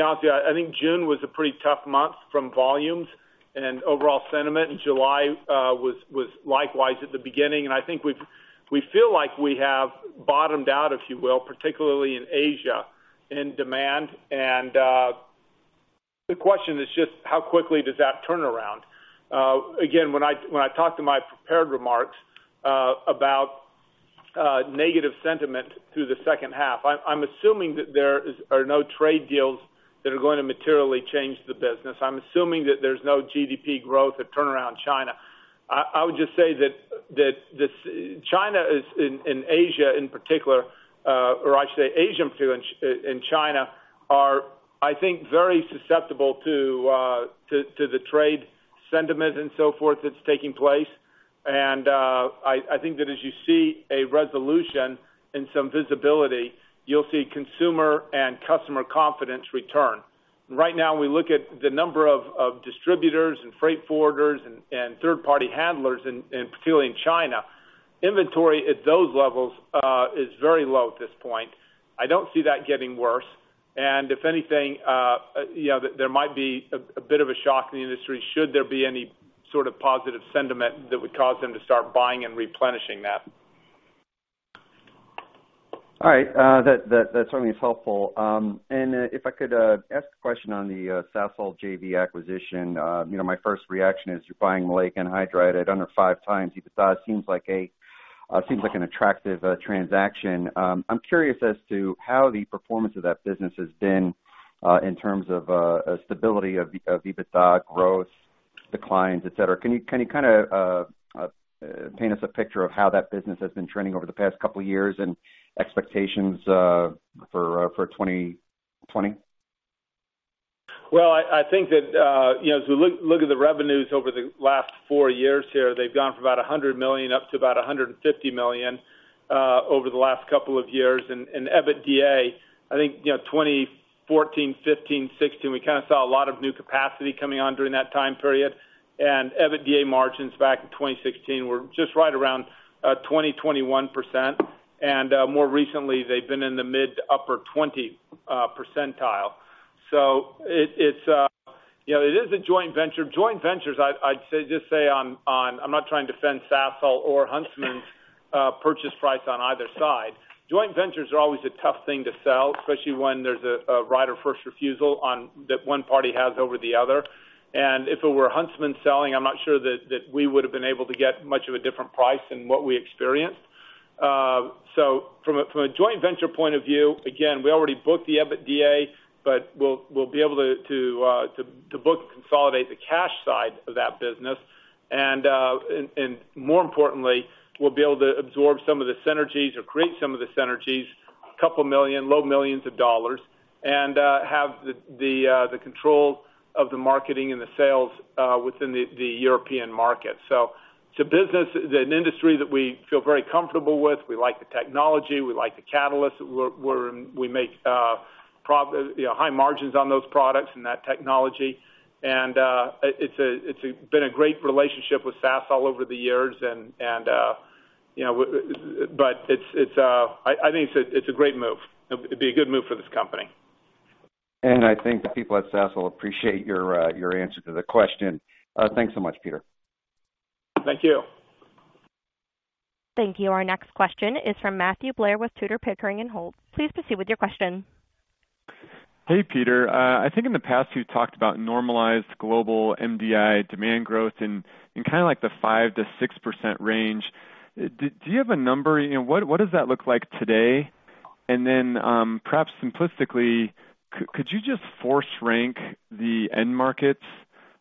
honest with you, I think June was a pretty tough month from volumes and overall sentiment, and July was likewise at the beginning. I think we feel like we have bottomed out, if you will, particularly in Asia, in demand. The question is just how quickly does that turn around? Again, when I talked to my prepared remarks about negative sentiment through the second half, I'm assuming that there are no trade deals that are going to materially change the business. I'm assuming that there's no GDP growth or turnaround in China. I would just say that China is in Asia in particular, or I should say Asia and China are, I think, very susceptible to the trade sentiment and so forth that's taking place. I think that as you see a resolution and some visibility, you'll see consumer and customer confidence return. Right now, we look at the number of distributors and freight forwarders and third-party handlers, particularly in China. Inventory at those levels is very low at this point. I don't see that getting worse. If anything, there might be a bit of a shock in the industry should there be any sort of positive sentiment that would cause them to start buying and replenishing that. All right. That certainly is helpful. If I could ask a question on the Sasol JV acquisition. My first reaction is you're buying Maleic Anhydride at under five times EBITDA. It seems like an attractive transaction. I'm curious as to how the performance of that business has been in terms of stability of EBITDA growth declines, etc. Can you kind of paint us a picture of how that business has been trending over the past couple of years and expectations for 2020? Well, I think that as we look at the revenues over the last four years here, they've gone from about $100 million up to about $150 million over the last couple of years. EBITDA, I think 2014, 2015, 2016, we kind of saw a lot of new capacity coming on during that time period. EBITDA margins back in 2016 were just right around 20%-21%, and more recently, they've been in the mid to upper 20%. It is a joint venture. Joint ventures, I'd just say, I'm not trying to defend Sasol or Huntsman's purchase price on either side. Joint ventures are always a tough thing to sell, especially when there's a right of first refusal that one party has over the other. If it were Huntsman selling, I'm not sure that we would have been able to get much of a different price than what we experienced. From a joint venture point of view, again, we already booked the EBITDA, but we'll be able to book and consolidate the cash side of that business. More importantly, we'll be able to absorb some of the synergies or create some of the synergies, a couple million, low millions of dollars, and have the control of the marketing and the sales within the European market. It's an industry that we feel very comfortable with. We like the technology. We like the catalysts. We make high margins on those products and that technology. It's been a great relationship with Sasol over the years, I think it's a great move. It'd be a good move for this company. I think the people at Sasol appreciate your answer to the question. Thanks so much, Peter. Thank you. Thank you. Our next question is from Matthew Blair with Tudor, Pickering, and Holt. Please proceed with your question. Hey, Peter. I think in the past, you talked about normalized global MDI demand growth in kind of like the 5%-6% range. Do you have a number? What does that look like today? Perhaps simplistically, could you just force rank the end markets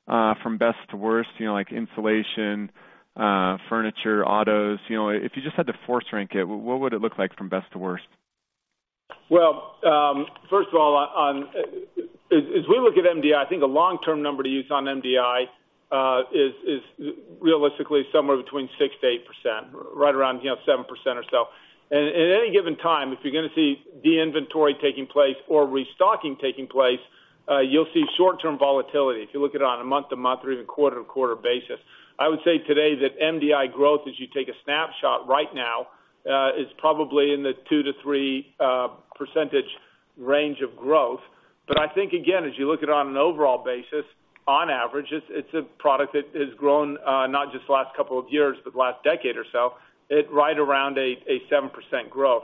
from best to worst, like insulation, furniture, autos? If you just had to force rank it, what would it look like from best to worst? Well, first of all, as we look at MDI, I think the long-term number to use on MDI is realistically somewhere between 6%-8%, right around 7% or so. At any given time, if you're going to see de-inventory taking place or restocking taking place, you'll see short-term volatility if you look at it on a month-to-month or even quarter-to-quarter basis. I would say today that MDI growth, as you take a snapshot right now, is probably in the 2%-3% range of growth. I think, again, as you look at it on an overall basis, on average, it's a product that has grown not just the last couple of years, but the last decade or so, at right around a 7% growth.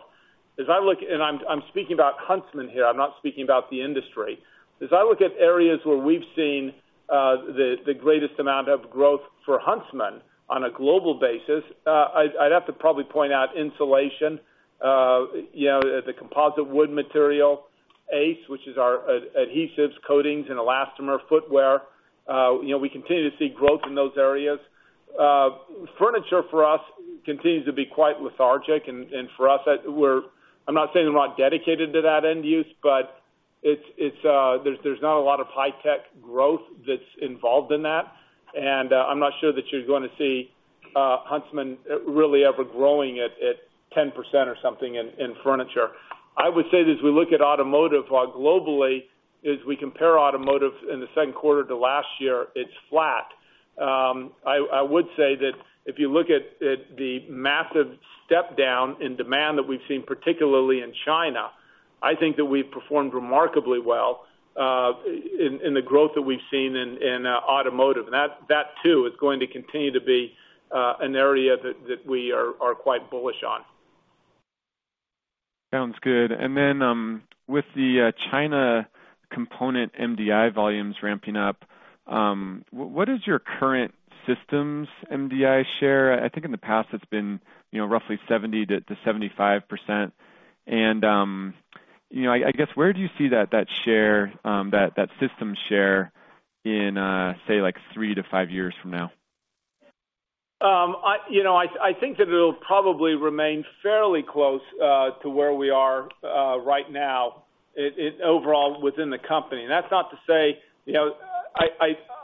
I'm speaking about Huntsman here. I'm not speaking about the industry. As I look at areas where we've seen the greatest amount of growth for Huntsman on a global basis, I'd have to probably point out insulation, the composite wood material ACE, which is our adhesives, coatings, and elastomer footwear. We continue to see growth in those areas. Furniture for us continues to be quite lethargic. For us, I'm not saying we're not dedicated to that end use, but there's not a lot of high-tech growth that's involved in that. I'm not sure that you're going to see Huntsman really ever growing at 10% or something in furniture. I would say that as we look at automotive globally, as we compare automotive in the second quarter to last year, it's flat. I would say that if you look at the massive step down in demand that we've seen, particularly in China, I think that we've performed remarkably well in the growth that we've seen in automotive. That too, is going to continue to be an area that we are quite bullish on. Sounds good. With the China component MDI volumes ramping up, what is your current systems MDI share? I think in the past it's been roughly 70%-75%. I guess, where do you see that system share in, say, three to five years from now? I think that it'll probably remain fairly close to where we are right now, overall within the company. That's not to say.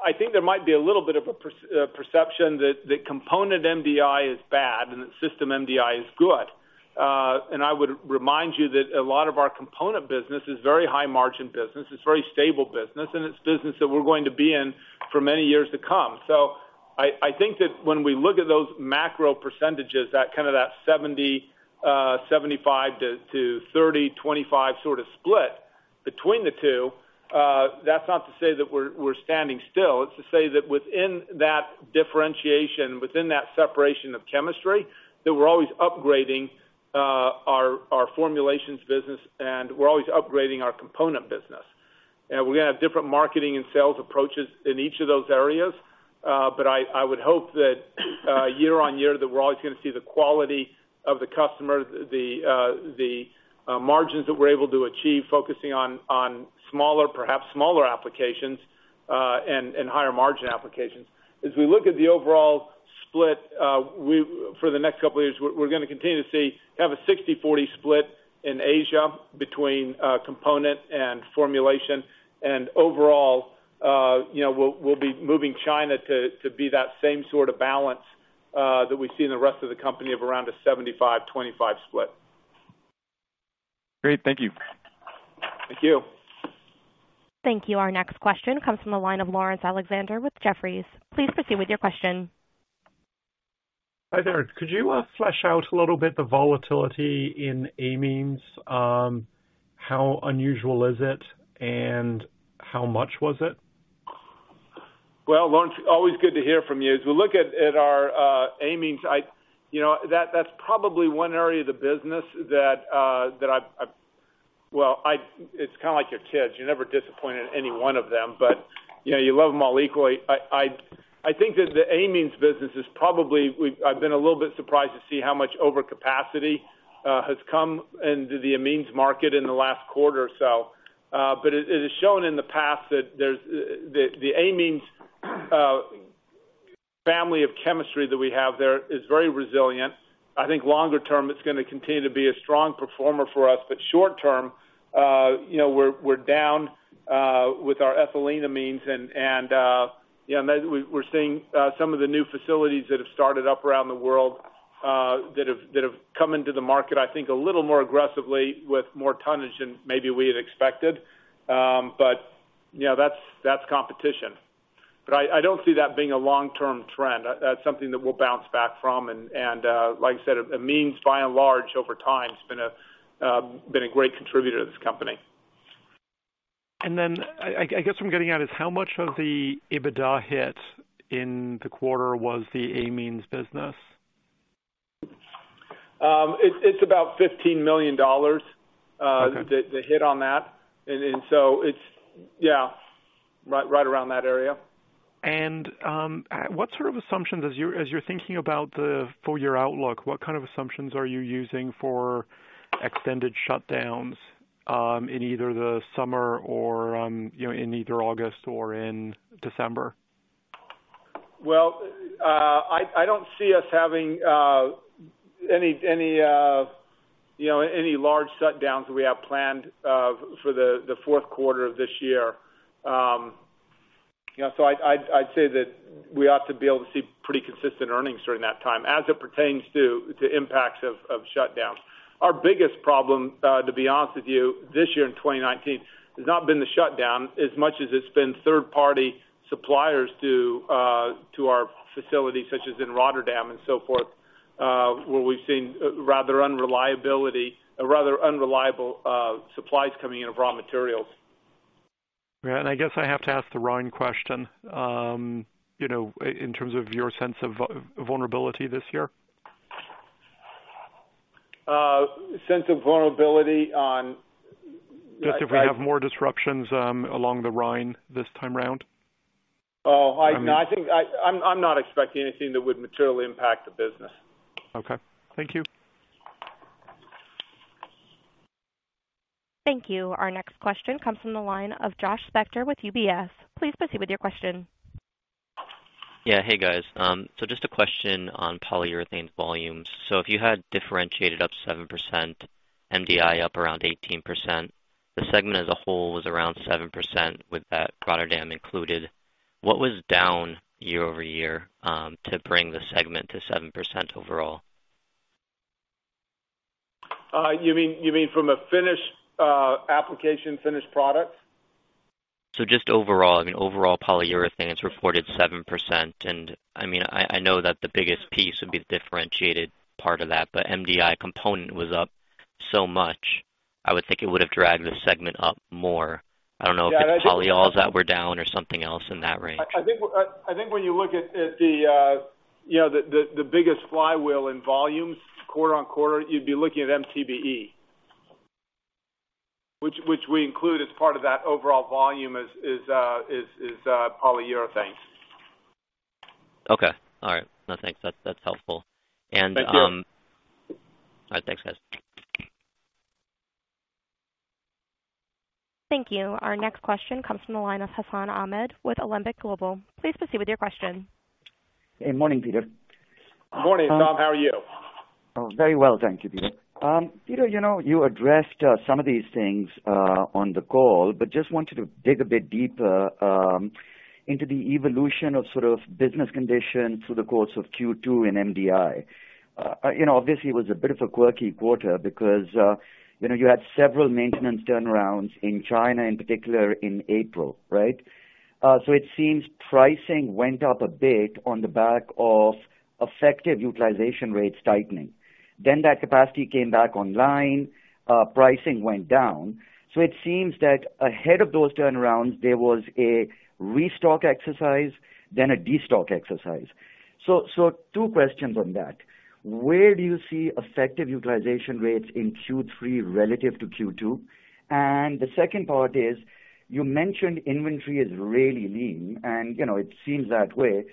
I think there might be a little bit of a perception that component MDI is bad and that system MDI is good. I would remind you that a lot of our component business is very high margin business, it's very stable business, and it's business that we're going to be in for many years to come. I think that when we look at those macro percentages, kind of that 70, 75 to 30, 25 sort of split between the two, that's not to say that we're standing still. It's to say that within that differentiation, within that separation of chemistry, that we're always upgrading our formulations business and we're always upgrading our component business. We're going to have different marketing and sales approaches in each of those areas. I would hope that year on year that we're always going to see the quality of the customers, the margins that we're able to achieve, focusing on perhaps smaller applications, and higher margin applications. As we look at the overall split, for the next couple of years, we're going to continue to see have a 60:40 split in Asia between component and formulation. Overall, we'll be moving China to be that same sort of balance that we see in the rest of the company of around a 75:25 split. Great. Thank you. Thank you. Thank you. Our next question comes from the line of Laurence Alexander with Jefferies. Please proceed with your question. Hi there. Could you flesh out a little bit the volatility in amines? How unusual is it and how much was it? Well, Laurence, always good to hear from you. As we look at our amines, that's probably one area of the business that. Well, it's kind of like your kids. You're never disappointed in any one of them, but you love them all equally. I think that the amines business is probably, I've been a little bit surprised to see how much overcapacity has come into the amines market in the last quarter or so. It has shown in the past that the amines family of chemistry that we have there is very resilient. I think longer term, it's going to continue to be a strong performer for us. Short term, we're down with our ethyleneamines and we're seeing some of the new facilities that have started up around the world, that have come into the market, I think, a little more aggressively with more tonnage than maybe we had expected. That's competition. I don't see that being a long-term trend. That's something that we'll bounce back from, and like I said, amines by and large over time has been a great contributor to this company. I guess what I'm getting at is how much of the EBITDA hit in the quarter was the amines business? It's about $15 million. Okay. The hit on that. It's, yeah, right around that area. As you're thinking about the full year outlook, what kind of assumptions are you using for extended shutdowns in either the summer or August or in December? Well, I don't see us having any large shutdowns that we have planned for the fourth quarter of this year. I'd say that we ought to be able to see pretty consistent earnings during that time as it pertains to impacts of shutdowns. Our biggest problem, to be honest with you, this year in 2019 has not been the shutdown as much as it's been third party suppliers to our facilities such as in Rotterdam and so forth, where we've seen rather unreliable supplies coming in of raw materials. Yeah. I guess I have to ask the Rhine question, in terms of your sense of vulnerability this year. Sense of vulnerability on- Just if we have more disruptions along the Rhine this time around. Oh, I'm not expecting anything that would materially impact the business. Okay. Thank you. Thank you. Our next question comes from the line of Josh Spector with UBS. Please proceed with your question. Hey, guys. Just a question on Polyurethanes volumes. If you had differentiated up 7%, MDI up around 18%, the segment as a whole was around 7% with that Rotterdam included. What was down year-over-year to bring the segment to 7% overall? You mean from a finished application, finished product? Just overall, Polyurethanes, it's reported 7%. I know that the biggest piece would be the differentiated part of that, but MDI component was up so much. I would think it would have dragged the segment up more. I don't know if it's polyols that were down or something else in that range. I think when you look at the biggest flywheel in volumes quarter-on-quarter, you'd be looking at MTBE, which we include as part of that overall volume is Polyurethanes. Okay. All right. No, thanks. That's helpful. Thank you. All right. Thanks, guys. Thank you. Our next question comes from the line of Hassan Ahmed with Alembic Global. Please proceed with your question. Hey, morning, Peter. Morning, Hassan. How are you? Very well, thank you, Peter. Peter, you addressed some of these things on the call, just wanted to dig a bit deeper into the evolution of sort of business conditions through the course of Q2 in MDI. Obviously, it was a bit of a quirky quarter because you had several maintenance turnarounds in China, in particular, in April, right? It seems pricing went up a bit on the back of effective utilization rates tightening. That capacity came back online, pricing went down. It seems that ahead of those turnarounds, there was a restock exercise, then a destock exercise. Two questions on that. Where do you see effective utilization rates in Q3 relative to Q2? The second part is, you mentioned inventory is really lean, and it seems that way.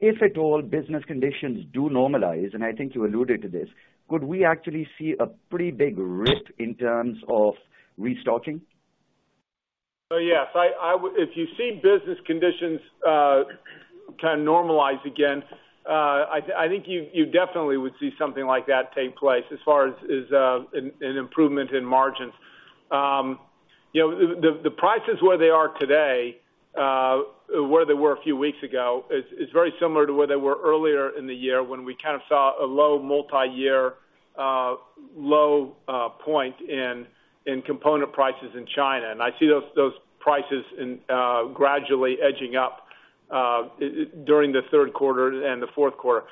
If at all business conditions do normalize, and I think you alluded to this, could we actually see a pretty big rift in terms of restocking? Yes, if you see business conditions kind of normalize again, I think you definitely would see something like that take place as far as an improvement in margins. The prices where they are today, where they were a few weeks ago is very similar to where they were earlier in the year when we kind of saw a low multi-year low point in component prices in China. I see those prices gradually edging up during the third quarter and the fourth quarter.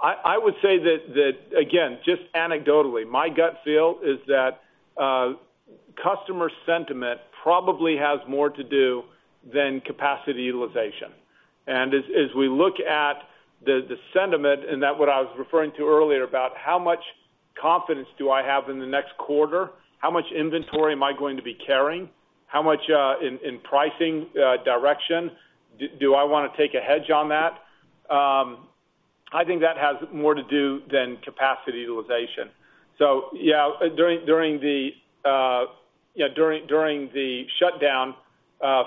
I would say that, again, just anecdotally, my gut feel is that customer sentiment probably has more to do than capacity utilization. As we look at the sentiment and that what I was referring to earlier about how much confidence do I have in the next quarter? How much inventory am I going to be carrying? How much in pricing direction do I want to take a hedge on that? I think that has more to do than capacity utilization. Yeah, during the shutdown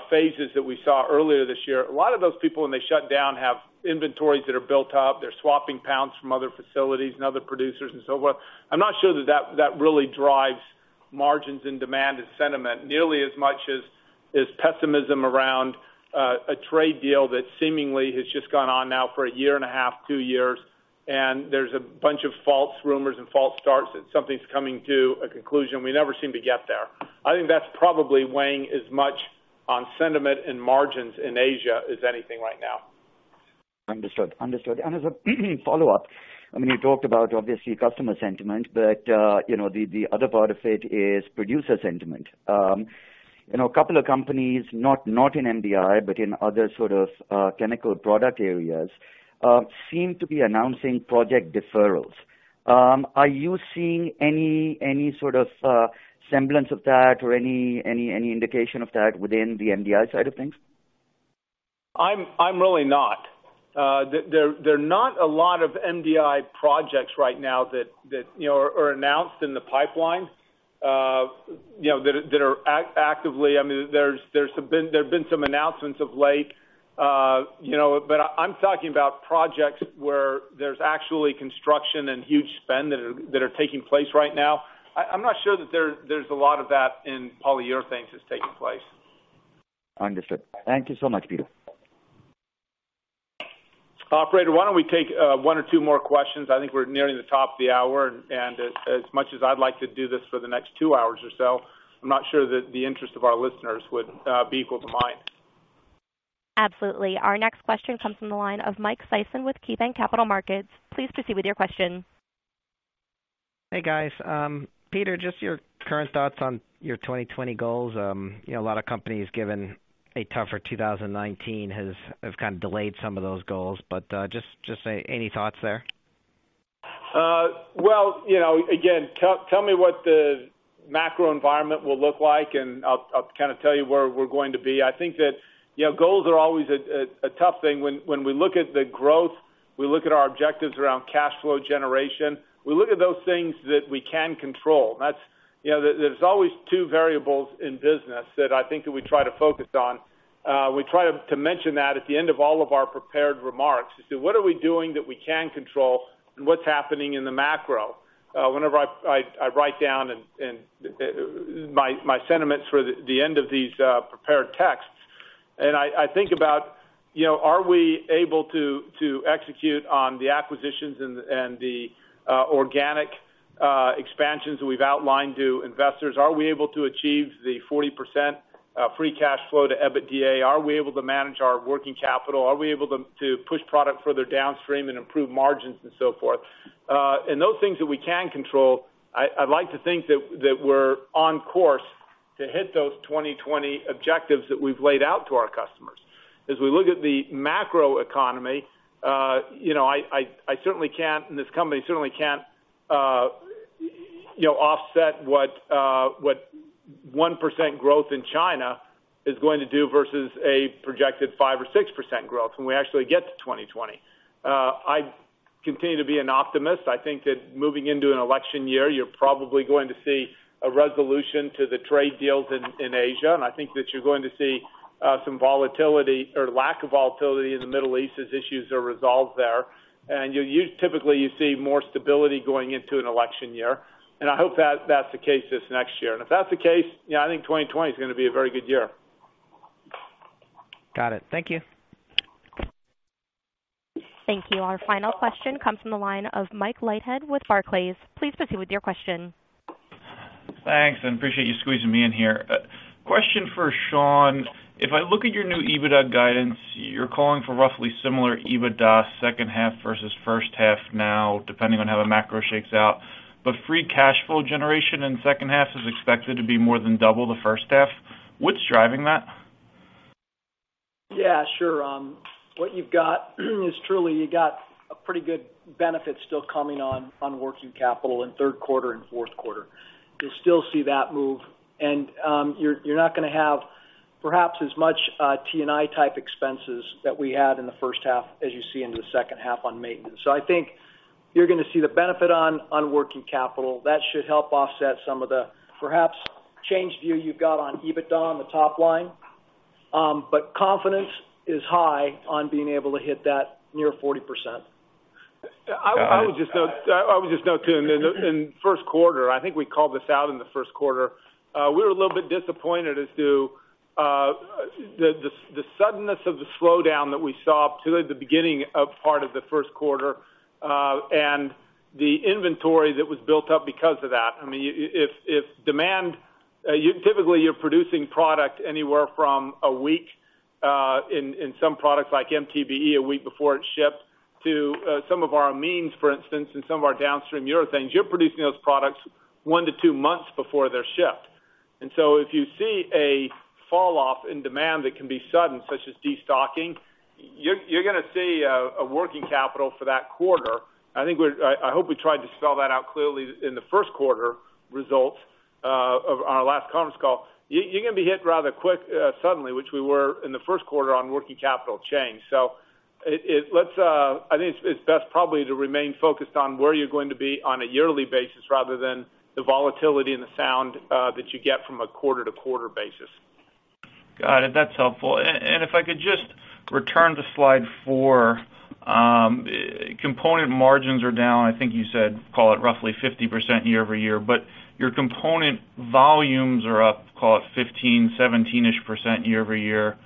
phases that we saw earlier this year, a lot of those people when they shut down have inventories that are built up. They're swapping pounds from other facilities and other producers and so forth. I'm not sure that that really drives margins and demand and sentiment nearly as much as pessimism around a trade deal that seemingly has just gone on now for a year and a half, two years, and there's a bunch of false rumors and false starts that something's coming to a conclusion. We never seem to get there. I think that's probably weighing as much on sentiment and margins in Asia as anything right now. Understood. As a follow-up, you talked about, obviously, customer sentiment, but the other part of it is producer sentiment. A couple of companies, not in MDI, but in other sort of chemical product areas seem to be announcing project deferrals. Are you seeing any sort of semblance of that or any indication of that within the MDI side of things? I'm really not. There are not a lot of MDI projects right now that are announced in the pipeline. There have been some announcements of late, but I'm talking about projects where there's actually construction and huge spend that are taking place right now. I'm not sure that there's a lot of that in Polyurethanes that's taking place. Understood. Thank you so much, Peter. Operator, why don't we take one or two more questions? I think we're nearing the top of the hour, as much as I'd like to do this for the next two hours or so, I'm not sure that the interest of our listeners would be equal to mine. Absolutely. Our next question comes from the line of Mike Sison with KeyBanc Capital Markets. Please proceed with your question. Hey, guys. Peter, just your current thoughts on your 2020 goals. A lot of companies, given a tougher 2019 have kind of delayed some of those goals, just any thoughts there? Well, again, tell me what the macro environment will look like, and I'll tell you where we're going to be. I think that goals are always a tough thing. When we look at the growth, we look at our objectives around cash flow generation. We look at those things that we can control. There's always two variables in business that I think that we try to focus on. We try to mention that at the end of all of our prepared remarks to say, "What are we doing that we can control, and what's happening in the macro?" Whenever I write down my sentiments for the end of these prepared texts, and I think about, are we able to execute on the acquisitions and the organic expansions that we've outlined to investors? Are we able to achieve the 40% free cash flow to EBITDA? Are we able to manage our working capital? Are we able to push product further downstream and improve margins and so forth? And those things that we can control, I'd like to think that we're on course to hit those 2020 objectives that we've laid out to our customers. As we look at the macro economy, this company certainly can't offset what 1% growth in China is going to do versus a projected 5% or 6% growth when we actually get to 2020. I continue to be an optimist. I think that moving into an election year, you're probably going to see a resolution to the trade deals in Asia, and I think that you're going to see some volatility or lack of volatility in the Middle East as issues are resolved there. Typically, you see more stability going into an election year, and I hope that's the case this next year. If that's the case, I think 2020 is going to be a very good year. Got it. Thank you. Thank you. Our final question comes from the line of Mike Leithead with Barclays. Please proceed with your question. Thanks, and appreciate you squeezing me in here. Question for Sean. If I look at your new EBITDA guidance, you're calling for roughly similar EBITDA second half versus first half now, depending on how the macro shakes out. Free cash flow generation in second half is expected to be more than double the first half. What's driving that? Yeah, sure. What you've got is truly you got a pretty good benefit still coming on working capital in third quarter and fourth quarter. You'll still see that move, you're not going to have perhaps as much T&I type expenses that we had in the first half as you see into the second half on maintenance. I think you're going to see the benefit on working capital. That should help offset some of the perhaps change view you've got on EBITDA on the top line. Confidence is high on being able to hit that near 40%. I would just note, too, in first quarter, I think we called this out in the first quarter. We were a little bit disappointed as to the suddenness of the slowdown that we saw to the beginning of part of the first quarter, and the inventory that was built up because of that. Typically, you're producing product anywhere from a week in some products like MTBE, a week before it's shipped, to some of our amines, for instance, and some of our downstream urethanes. You're producing those products one to two months before they're shipped. If you see a fall off in demand that can be sudden, such as destocking, you're going to see a working capital for that quarter. I hope we tried to spell that out clearly in the first quarter results of our last conference call. You're going to be hit rather quick suddenly, which we were in the first quarter on working capital change. I think it's best probably to remain focused on where you're going to be on a yearly basis rather than the volatility and the noise that you get from a quarter-to-quarter basis. Got it. That's helpful. If I could just return to slide four. Component margins are down, I think you said, call it roughly 50% year-over-year, but your component volumes are up, call it 15%, 17%-ish percent year-over-year.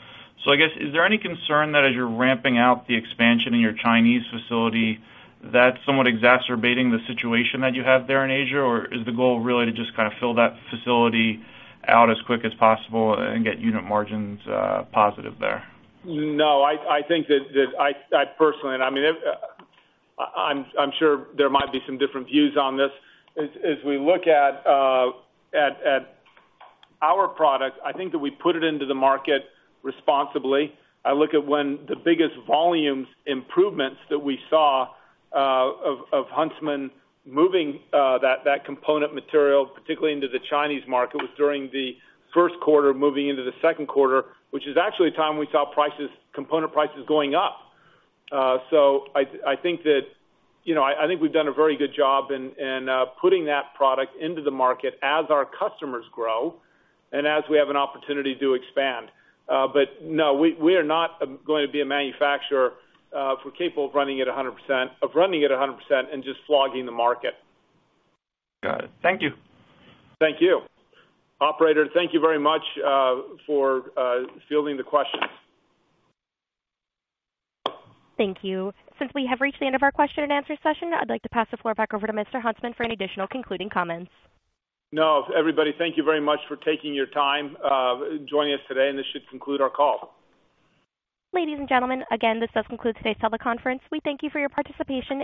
I guess, is there any concern that as you're ramping out the expansion in your Chinese facility, that's somewhat exacerbating the situation that you have there in Asia? Or is the goal really to just kind of fill that facility out as quick as possible and get unit margins positive there? No, I think that personally, I'm sure there might be some different views on this. As we look at our product, I think that we put it into the market responsibly. I look at when the biggest volumes improvements that we saw of Huntsman moving that component material, particularly into the Chinese market, was during the first quarter moving into the second quarter, which is actually a time we saw component prices going up. I think we've done a very good job in putting that product into the market as our customers grow and as we have an opportunity to expand. No, we are not going to be a manufacturer if we're capable of running at 100% and just flogging the market. Got it. Thank you. Thank you. Operator, thank you very much for fielding the questions. Thank you. Since we have reached the end of our question-and-answer session, I'd like to pass the floor back over to Mr. Huntsman for any additional concluding comments. No. Everybody, thank you very much for taking your time joining us today, and this should conclude our call. Ladies and gentlemen, again, this does conclude today's teleconference. We thank you for your participation.